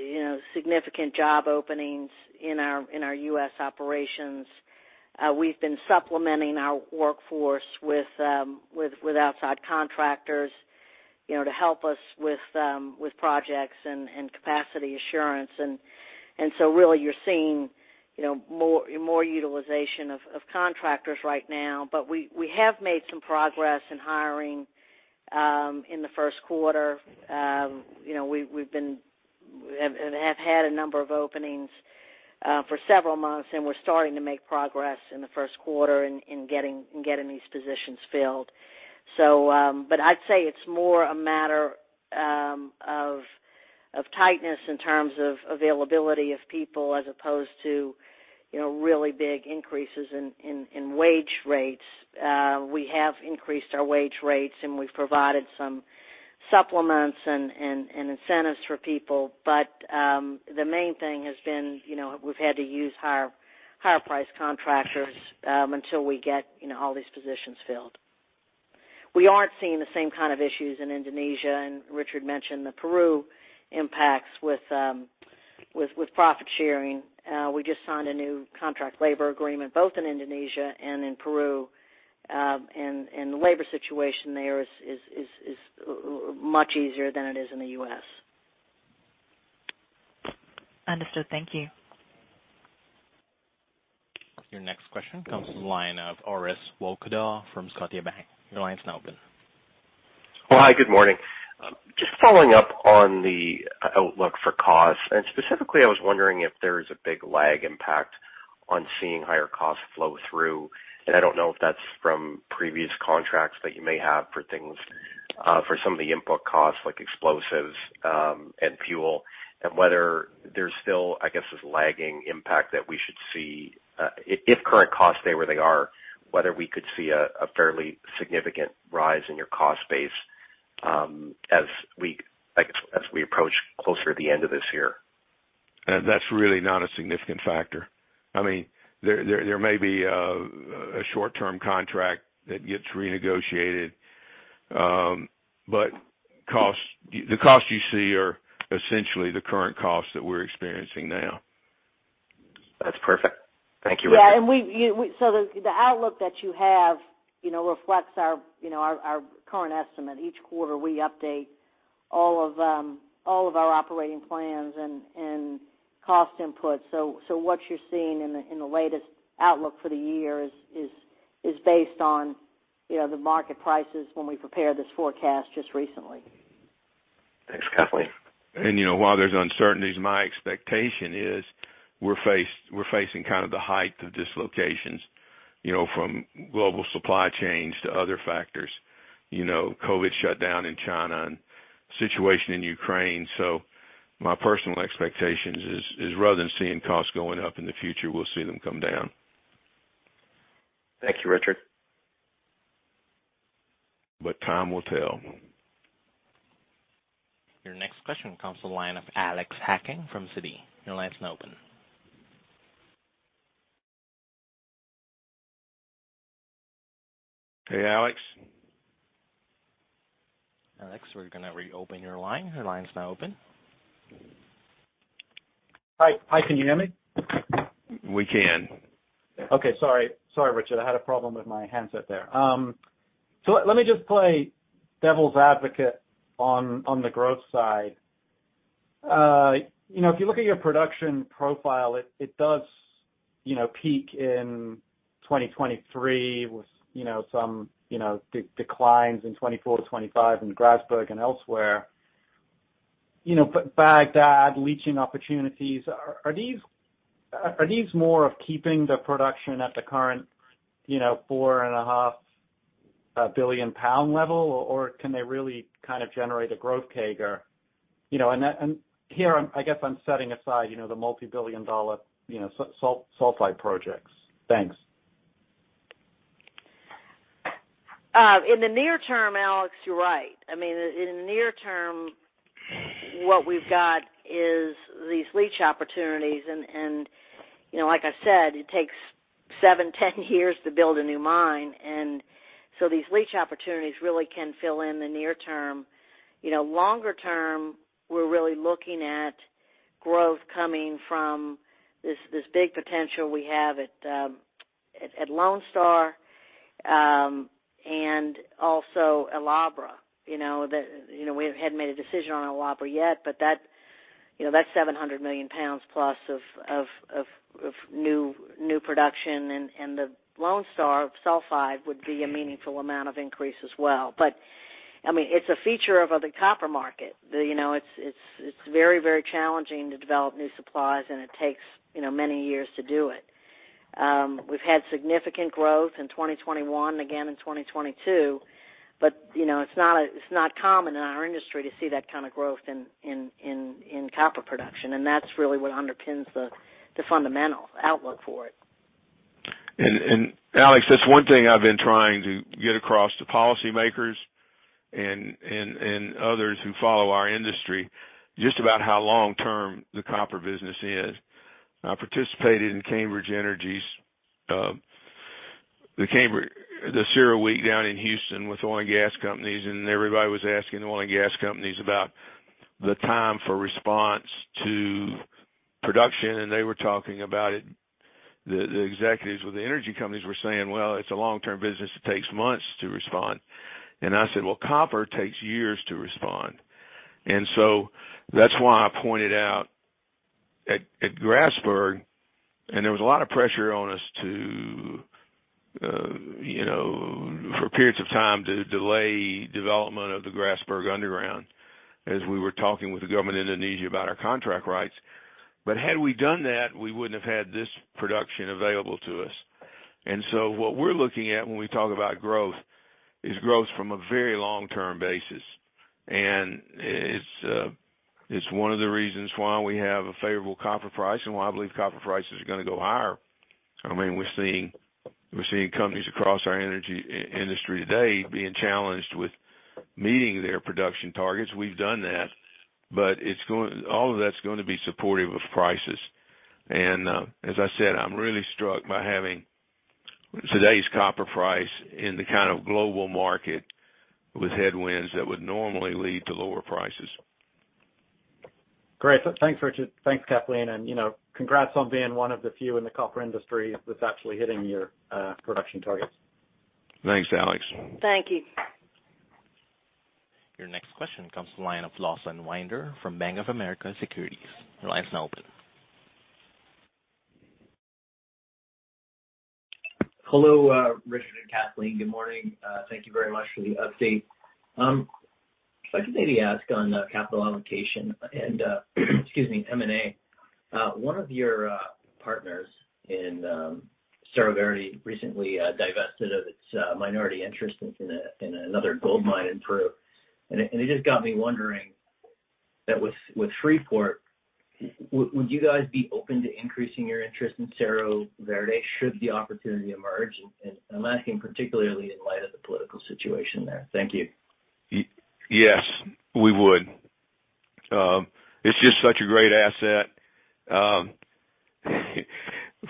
you know, significant job openings in our U.S. operations. We've been supplementing our workforce with outside contractors, you know, to help us with projects and capacity assurance. Really you're seeing, you know, more utilization of contractors right now. We have made some progress in hiring in the first quarter. You know, we have had a number of openings for several months, and we're starting to make progress in the first quarter in getting these positions filled. I'd say it's more a matter of tightness in terms of availability of people as opposed to, you know, really big increases in wage rates. We have increased our wage rates, and we've provided some supplements and incentives for people. The main thing has been, you know, we've had to use higher priced contractors until we get, you know, all these positions filled. We aren't seeing the same kind of issues in Indonesia, and Richard mentioned the Peru impacts with profit sharing. We just signed a new contract labor agreement both in Indonesia and in Peru. The labor situation there is much easier than it is in the U.S. Understood. Thank you. Your next question comes from the line of Orest Wowkodaw from Scotiabank. Your line's now open. Well, hi, good morning. Just following up on the outlook for costs, and specifically I was wondering if there is a big lag impact on seeing higher costs flow through. I don't know if that's from previous contracts that you may have for things, for some of the input costs like explosives, and fuel. Whether there's still, I guess, this lagging impact that we should see, if current costs stay where they are, whether we could see a fairly significant rise in your cost base, as we, I guess, as we approach closer to the end of this year. That's really not a significant factor. I mean, there may be a short-term contract that gets renegotiated. Costs, the costs you see are essentially the current costs that we're experiencing now. That's perfect. Thank you, Richard. The outlook that you have, you know, reflects our current estimate. Each quarter, we update all of our operating plans and cost inputs. What you're seeing in the latest outlook for the year is based on, you know, the market prices when we prepared this forecast just recently. Thanks, Kathleen. You know, while there's uncertainties, my expectation is we're facing kind of the height of dislocations, you know, from global supply chains to other factors, you know, COVID shutdown in China and situation in Ukraine. My personal expectations is rather than seeing costs going up in the future, we'll see them come down. Thank you, Richard. Time will tell. Your next question comes from the line of Alex Hacking from Citi. Your line's now open. Hey, Alex. Alex, we're gonna reopen your line. Your line is now open. Hi. Hi, can you hear me? We can. Okay, sorry. Sorry, Richard. I had a problem with my handset there. Let me just play devil's advocate on the growth side. You know, if you look at your production profile, it does, you know, peak in 2023 with, you know, some, you know, declines in 2024, 2025 in Grasberg and elsewhere. You know, but Bagdad leaching opportunities, are these more of keeping the production at the current, you know, 4.5 billion lb level, or can they really kind of generate a growth CAGR? You know, and here I'm, I guess I'm setting aside, you know, the multi-billion dollar, you know, sulfide projects. Thanks. In the near term, Alex, you're right. I mean, in the near term, what we've got is these leach opportunities and, you know, like I said, it takes 7-10 years to build a new mine. These leach opportunities really can fill in the near term. You know, longer term, we're really looking at growth coming from this big potential we have at Lone Star and also El Abra. You know, we hadn't made a decision on El Abra yet, but that, you know, that's 700 million lbs plus of new production. The Lone Star sulfide would be a meaningful amount of increase as well. I mean, it's a feature of the copper market. You know, it's very challenging to develop new supplies, and it takes, you know, many years to do it. We've had significant growth in 2021, again in 2022, but, you know, it's not common in our industry to see that kind of growth in copper production, and that's really what underpins the fundamental outlook for it. Alex, that's one thing I've been trying to get across to policymakers and others who follow our industry just about how long-term the copper business is. I participated in Cambridge Energy's CERAWeek down in Houston with oil and gas companies, and everybody was asking the oil and gas companies about the time for response to production. They were talking about it. The executives with the energy companies were saying, "Well, it's a long-term business. It takes months to respond." I said, "Well, copper takes years to respond." That's why I pointed out at Grasberg, and there was a lot of pressure on us for periods of time to delay development of the Grasberg underground as we were talking with the government of Indonesia about our contract rights. Had we done that, we wouldn't have had this production available to us. What we're looking at when we talk about growth is growth from a very long-term basis. It's one of the reasons why we have a favorable copper price and why I believe copper prices are gonna go higher. I mean, we're seeing companies across our energy industry today being challenged with meeting their production targets. We've done that, but all of that's going to be supportive of prices. As I said, I'm really struck by having today's copper price in the kind of global market with headwinds that would normally lead to lower prices. Great. Thanks, Richard. Thanks, Kathleen. You know, congrats on being one of the few in the copper industry that's actually hitting your production targets. Thanks, Alex. Thank you. Your next question comes from the line of Lawson Winder from Bank of America Securities. Your line's now open. Hello, Richard and Kathleen. Good morning. Thank you very much for the update. If I could maybe ask on capital allocation and excuse me, M&A. One of your partners in Cerro Verde recently divested of its minority interest in another gold mine in Peru. It just got me wondering that with Freeport, would you guys be open to increasing your interest in Cerro Verde should the opportunity emerge? I'm asking particularly in light of the political situation there. Thank you. Yes, we would. It's just such a great asset.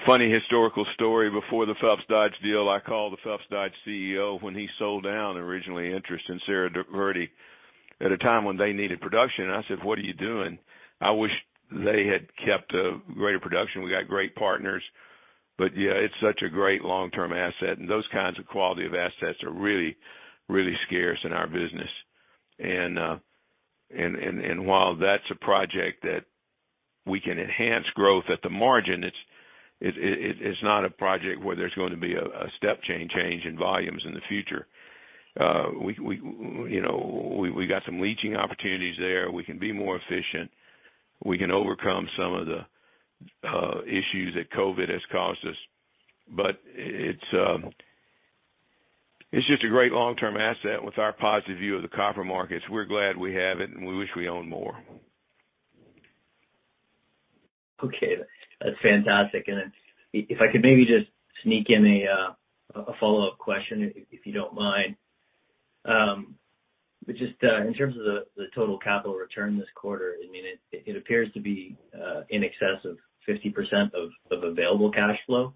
Funny historical story. Before the Phelps Dodge deal, I called the Phelps Dodge CEO when he sold down originally interest in Cerro Verde at a time when they needed production. I said, "What are you doing?" I wish they had kept a greater production. We got great partners. Yeah, it's such a great long-term asset. Those kinds of quality of assets are really, really scarce in our business. While that's a project that we can enhance growth at the margin, it's not a project where there's gonna be a step change in volumes in the future. We got some leaching opportunities there. We can be more efficient. We can overcome some of the issues that COVID has caused us. It's just a great long-term asset with our positive view of the copper markets. We're glad we have it, and we wish we owned more. Okay. That's fantastic. If I could maybe just sneak in a follow-up question, if you don't mind. In terms of the total capital return this quarter, I mean, it appears to be in excess of 50% of available cash flow.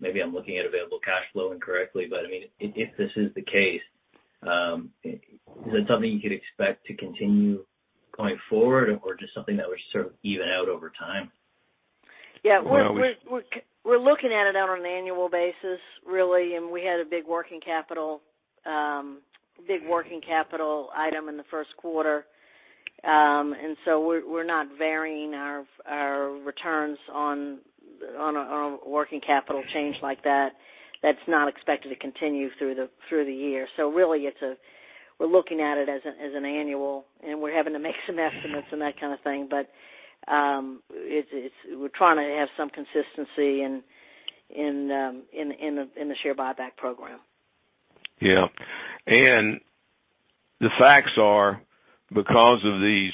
Maybe I'm looking at available cash flow incorrectly, but I mean, if this is the case, is that something you could expect to continue going forward or just something that would sort of even out over time? Yeah. We're looking at it on an annual basis, really. We had a big working capital item in the first quarter. We're not varying our returns on a working capital change like that. That's not expected to continue through the year. Really it's an annual, and we're having to make some estimates and that kind of thing. We're trying to have some consistency in the share buyback program. Yeah. The facts are because of these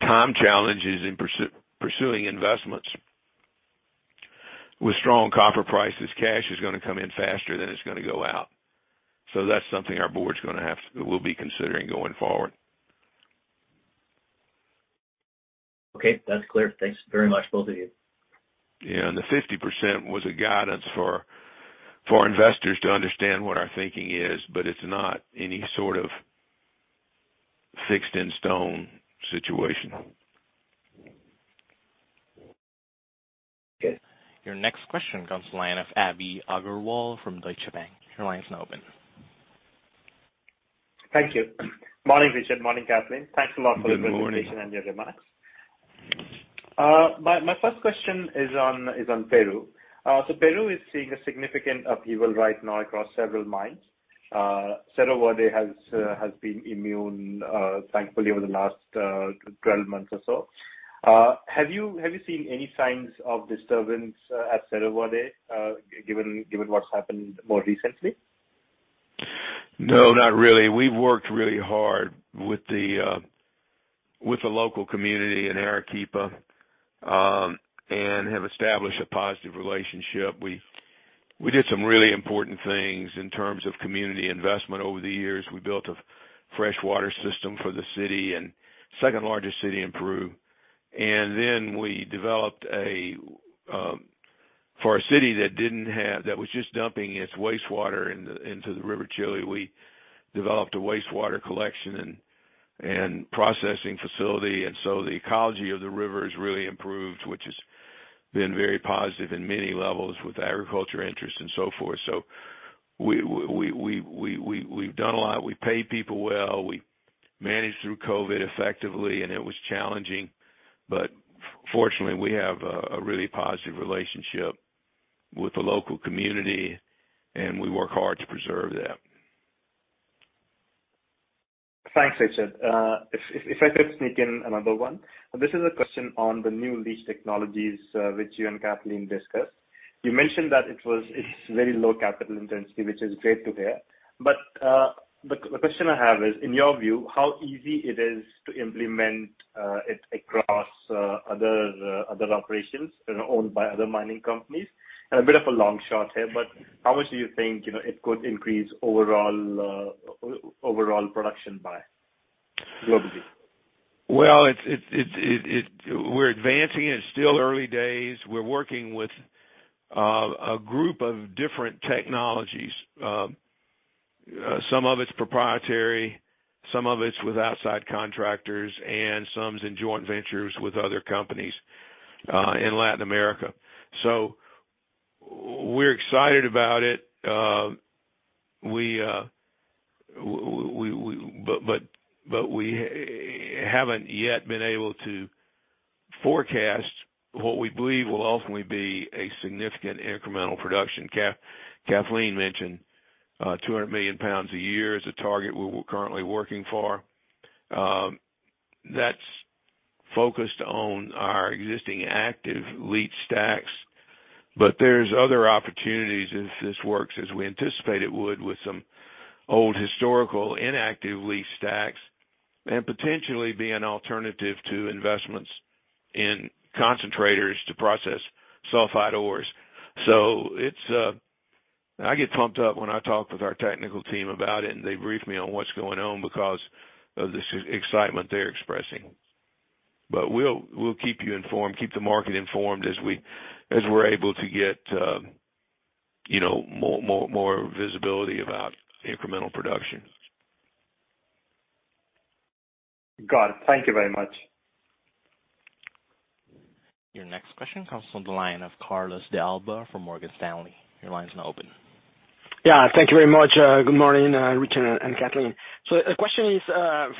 time challenges in pursuing investments, with strong copper prices, cash is gonna come in faster than it's gonna go out. That's something our board will be considering going forward. Okay, that's clear. Thanks very much, both of you. Yeah. The 50% was guidance for investors to understand what our thinking is, but it's not any sort of set in stone situation. Okay. Your next question comes to the line of Abhi Agarwal from Deutsche Bank. Your line is now open. Thank you. Morning, Richard. Morning, Kathleen. Thanks a lot for the presentation. Good morning. Thank you for your remarks. My first question is on Peru. Peru is seeing a significant upheaval right now across several mines. Cerro Verde has been immune, thankfully over the last 12 months or so. Have you seen any signs of disturbance at Cerro Verde, given what's happened more recently? No, not really. We've worked really hard with the local community in Arequipa and have established a positive relationship. We did some really important things in terms of community investment over the years. We built a fresh water system for the city and second largest city in Peru for a city that didn't have, that was just dumping its wastewater into the River Chili, we developed a wastewater collection and processing facility. The ecology of the river has really improved, which has been very positive in many levels with agriculture interest and so forth. We've done a lot. We pay people well. We managed through COVID effectively, and it was challenging, but fortunately, we have a really positive relationship with the local community, and we work hard to preserve that. Thanks, Richard. If I could sneak in another one. This is a question on the new leaching technologies, which you and Kathleen discussed. You mentioned that it's very low capital intensity, which is great to hear. But the question I have is, in your view, how easy it is to implement it across other operations, you know, owned by other mining companies? A bit of a long shot here, but how much do you think, you know, it could increase overall production globally? Well, we're advancing. It's still early days. We're working with a group of different technologies. Some of it's proprietary, some of it's with outside contractors, and some's in joint ventures with other companies in Latin America. We're excited about it. We haven't yet been able to forecast what we believe will ultimately be a significant incremental production. Kathleen mentioned 200 million lbs a year is a target we're currently working for. That's focused on our existing active leach stacks. There's other opportunities if this works as we anticipate it would with some old historical inactive leach stacks and potentially be an alternative to investments in concentrators to process sulfide ores. I get pumped up when I talk with our technical team about it, and they brief me on what's going on because of the excitement they're expressing. We'll keep you informed, keep the market informed as we're able to get, you know, more visibility about incremental production. Got it. Thank you very much. Your next question comes from the line of Carlos de Alba from Morgan Stanley. Your line is now open. Yeah. Thank you very much. Good morning, Richard and Kathleen. A question is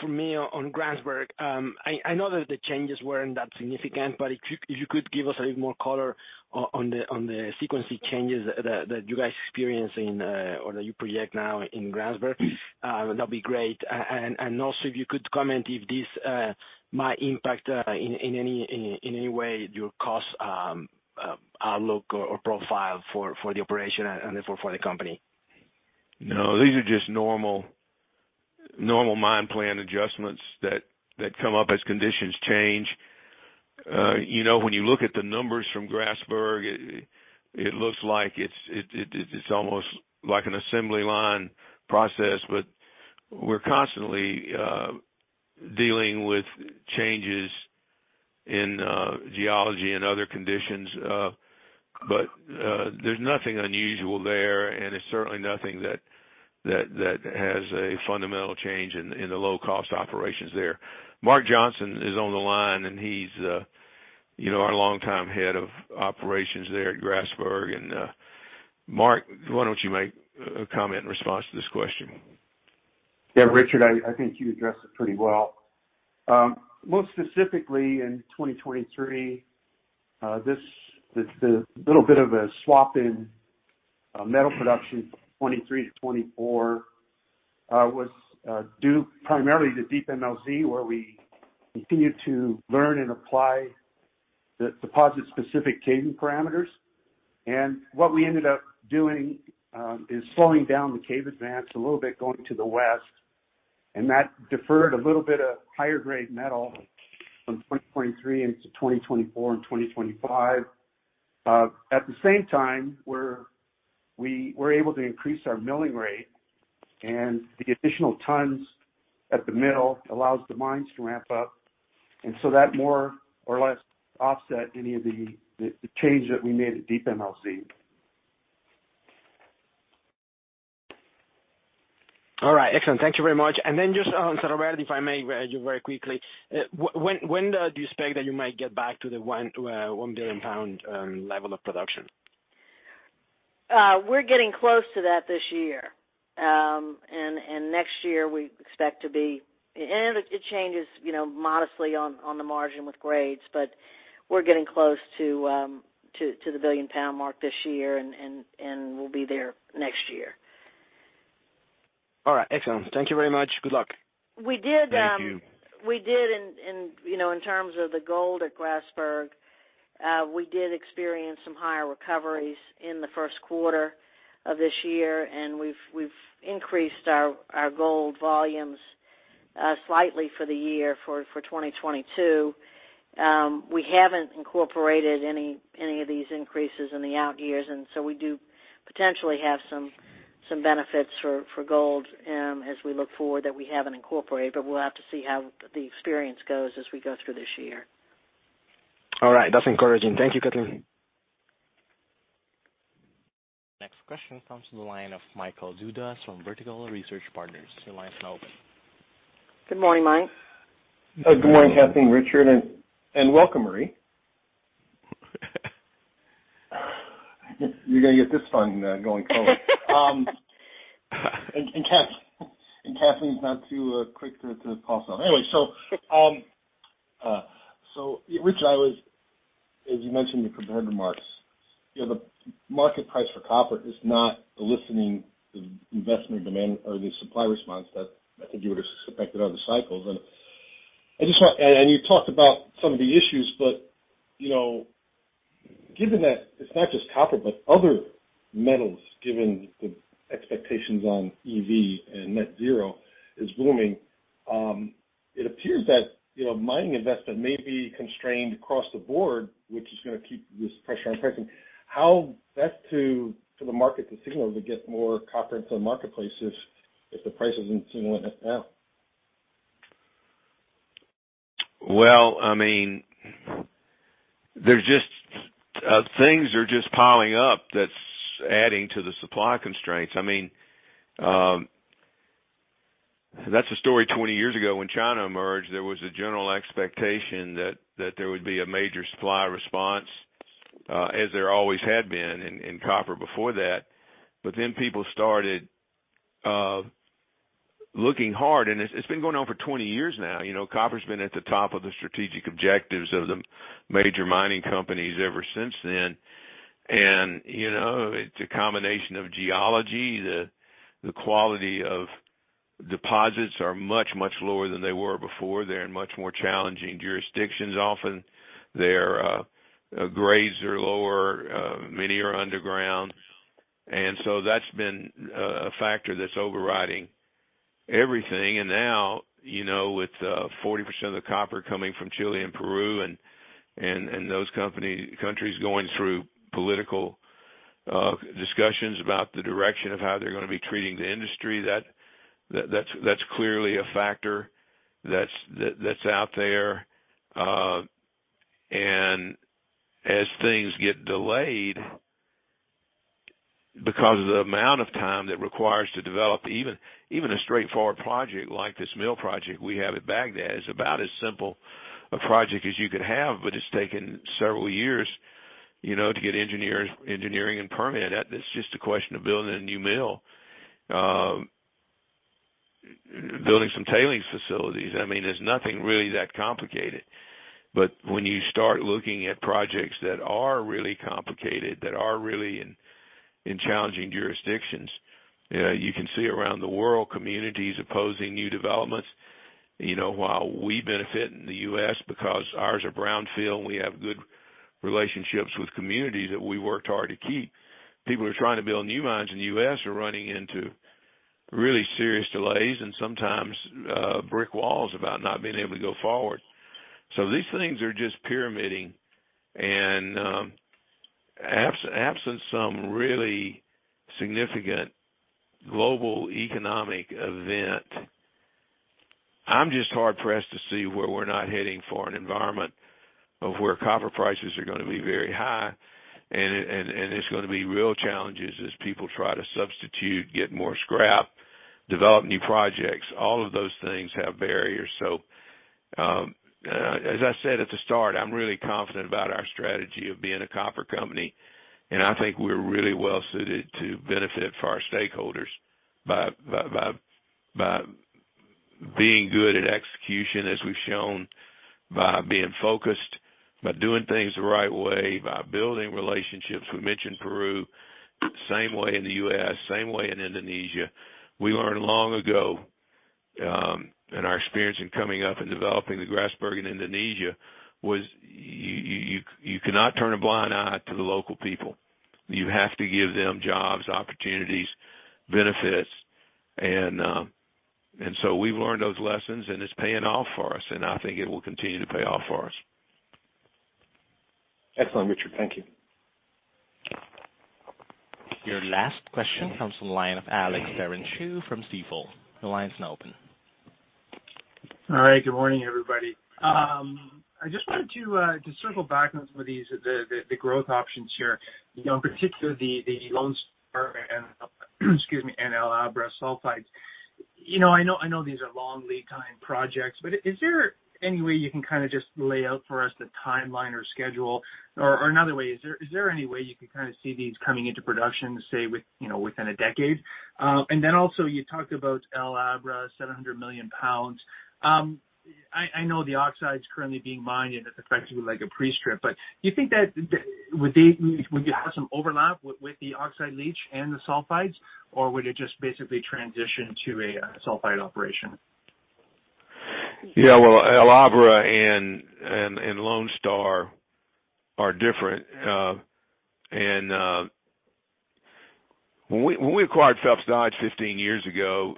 from me on Grasberg. I know that the changes weren't that significant, but if you could give us a little more color on the frequency changes that you guys experienced in or that you project now in Grasberg, that'd be great. Also, if you could comment if this might impact in any way your cost outlook or profile for the operation and therefore for the company. No, these are just normal mine plan adjustments that come up as conditions change. You know, when you look at the numbers from Grasberg, it looks like it's almost like an assembly line process, but we're constantly dealing with changes in geology and other conditions. There's nothing unusual there, and it's certainly nothing that has a fundamental change in the low-cost operations there. Mark Johnson is on the line, and he's you know, our longtime head of operations there at Grasberg. Mark, why don't you make a comment in response to this question? Yeah, Richard, I think you addressed it pretty well. More specifically in 2023, this little bit of a swap in metal production 2023 to 2024 was due primarily to Deep MLZ, where we continued to learn and apply the deposit-specific caving parameters. What we ended up doing is slowing down the cave advance a little bit going to the west, and that deferred a little bit of higher grade metal from 2023 into 2024 and 2025. At the same time, we were able to increase our milling rate and the additional tons at the mill allows the mines to ramp up. That more or less offset any of the change that we made at Deep MLZ. All right, excellent. Thank you very much. Just on Cerro Verde, if I may, very, very quickly. When do you expect that you might get back to the 1 billion lb level of production? We're getting close to that this year. Next year we expect to be there. It changes, you know, modestly on the margin with grades, but we're getting close to the 1 billion-lb mark this year and we'll be there next year. All right. Excellent. Thank you very much. Good luck. We did. Thank you. We did, you know, in terms of the gold at Grasberg, we did experience some higher recoveries in the first quarter of this year, and we've increased our gold volumes slightly for the year for 2022. We haven't incorporated any of these increases in the out years, and so we do potentially have some benefits for gold as we look forward that we haven't incorporated. We'll have to see how the experience goes as we go through this year. All right. That's encouraging. Thank you, Kathleen. Next question comes from the line of Michael Dudas from Vertical Research Partners. Your line is now open. Good morning, Mike. Good morning, Kathleen, Richard, and welcome, Maree. You're gonna get this fun going forward. Kathleen's not too quick to call. Anyway, Richard, as you mentioned in your prepared remarks, you know, the market price for copper is not eliciting the investment demand or the supply response that I think you would have suspected on the cycles. You talked about some of the issues, but you know, given that it's not just copper, but other metals, given the expectations on EV and net zero is booming, it appears that, you know, mining investment may be constrained across the board, which is gonna keep this pressure on pricing. How best to, for the market to signal to get more copper into the marketplace if the price isn't signaling that now? Well, I mean, there's just things are just piling up, that's adding to the supply constraints. I mean, that's a story 20 years ago when China emerged, there was a general expectation that there would be a major supply response, as there always had been in copper before that. But then people started looking hard, and it's been going on for 20 years now. You know, copper's been at the top of the strategic objectives of the major mining companies ever since then. You know, it's a combination of geology. The quality of deposits are much lower than they were before. They're in much more challenging jurisdictions often. Their grades are lower, many are underground. That's been a factor that's overriding everything. Now, you know, with 40% of the copper coming from Chile and Peru and those countries going through political discussions about the direction of how they're gonna be treating the industry, that's clearly a factor that's out there. As things get delayed because of the amount of time that requires to develop even a straightforward project like this mill project we have at Bagdad, is about as simple a project as you could have, but it's taken several years, you know, to get engineering and permitted. That is just a question of building a new mill, building some tailings facilities. I mean, there's nothing really that complicated. When you start looking at projects that are really complicated, that are really in challenging jurisdictions, you can see around the world communities opposing new developments. You know, while we benefit in the U.S. because ours are brownfield, we have good relationships with communities that we worked hard to keep. People who are trying to build new mines in the U.S. are running into really serious delays and sometimes brick walls about not being able to go forward. These things are just pyramiding. Absent some really significant global economic event, I'm just hard pressed to see where we're not heading for an environment of where copper prices are gonna be very high. It's gonna be real challenges as people try to substitute, get more scrap, develop new projects, all of those things have barriers. As I said at the start, I'm really confident about our strategy of being a copper company. I think we're really well suited to benefit for our stakeholders by being good at execution, as we've shown, by being focused, by doing things the right way, by building relationships. We mentioned Peru, same way in the U.S., same way in Indonesia. We learned long ago, in our experience in coming up and developing the Grasberg in Indonesia, you cannot turn a blind eye to the local people. You have to give them jobs, opportunities, benefits, and so we've learned those lessons, and it's paying off for us, and I think it will continue to pay off for us. Excellent, Richard. Thank you. Your last question comes from the line of Alex Terentiew from Stifel. Your line is now open. All right. Good morning, everybody. I just wanted to circle back on some of these, the growth options here, you know, in particular the Lone Star and, excuse me, and El Abra sulfides. You know, I know these are long lead time projects, but is there any way you can kind of just lay out for us the timeline or schedule? Or another way, is there any way you can kind of see these coming into production, say, with, you know, within a decade? And then also you talked about El Abra, 700 million lbs. I know the oxide's currently being mined and it's effectively like a pre-strip. But do you think that you would have some overlap with the oxide leach and the sulfides? Would it just basically transition to a sulfide operation? Yeah. Well, El Abra and Lone Star are different. When we acquired Phelps Dodge 15 years ago,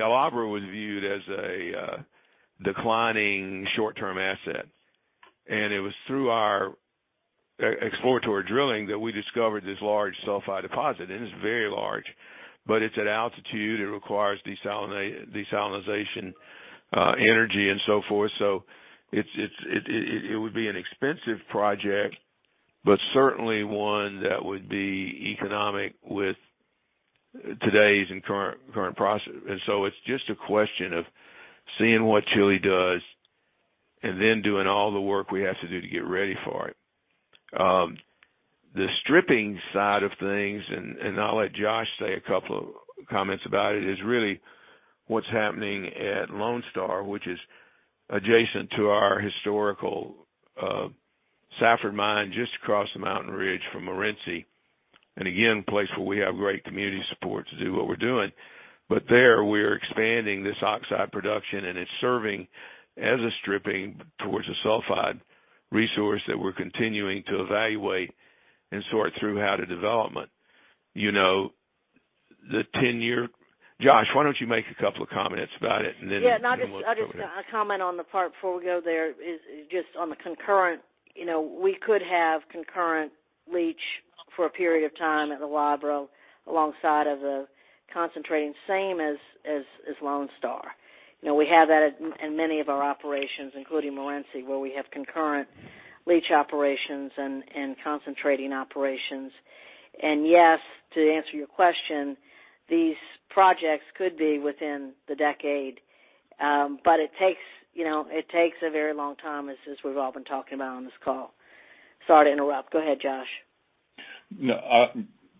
El Abra was viewed as a declining short-term asset. It was through our exploratory drilling that we discovered this large sulfide deposit, and it's very large. But it's at altitude, it requires desalination, energy and so forth. It would be an expensive project, but certainly one that would be economic with today's and current process. It's just a question of seeing what Chile does and then doing all the work we have to do to get ready for it. The stripping side of things, and I'll let Josh say a couple of comments about it, is really what's happening at Lone Star, which is adjacent to our historical Safford mine just across the mountain ridge from Morenci. Again, a place where we have great community support to do what we're doing. There we are expanding this oxide production, and it's serving as a stripping towards the sulfide resource that we're continuing to evaluate and sort through how to develop. You know, Josh, why don't you make a couple of comments about it and then. No, I'll just comment on the part before we go there is just on the concurrent. You know, we could have concurrent leach for a period of time at El Abra alongside of the concentrating, same as Lone Star. You know, we have that in many of our operations, including Morenci, where we have concurrent leach operations and concentrating operations. Yes, to answer your question, these projects could be within the decade. But it takes, you know, a very long time, as we've all been talking about on this call. Sorry to interrupt. Go ahead, Josh. No,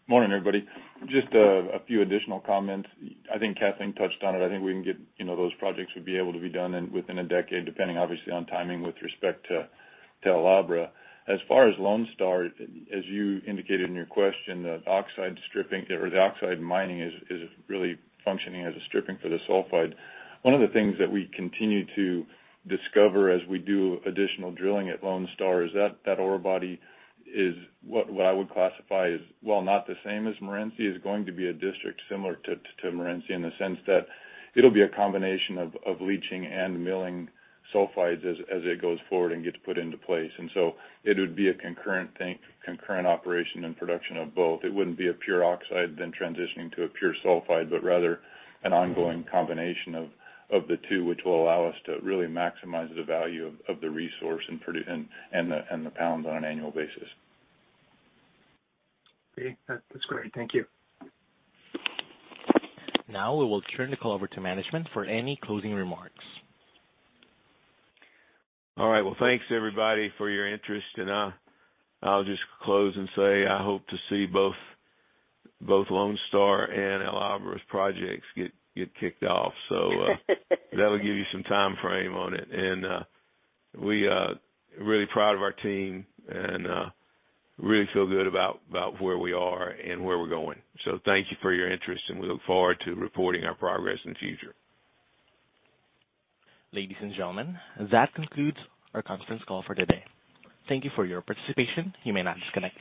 morning, everybody. Just a few additional comments. I think Kathleen touched on it. I think we can get, you know, those projects would be able to be done within a decade, depending obviously on timing with respect to El Abra. As far as Lone Star, as you indicated in your question, the oxide stripping or the oxide mining is really functioning as a stripping for the sulfide. One of the things that we continue to discover as we do additional drilling at Lone Star is that ore body is what I would classify as, while not the same as Morenci, is going to be a district similar to Morenci in the sense that it'll be a combination of leaching and milling sulfides as it goes forward and gets put into place. It would be a concurrent thing, concurrent operation and production of both. It wouldn't be a pure oxide then transitioning to a pure sulfide, but rather an ongoing combination of the two, which will allow us to really maximize the value of the resource and the lbs on an annual basis. Okay. That, that's great. Thank you. Now we will turn the call over to management for any closing remarks. All right. Well, thanks everybody for your interest, and I'll just close and say I hope to see both Lone Star and El Abra's projects get kicked off. That'll give you some time frame on it. We are really proud of our team and really feel good about where we are and where we're going. Thank you for your interest, and we look forward to reporting our progress in the future. Ladies and gentlemen, that concludes our conference call for today. Thank you for your participation. You may now disconnect.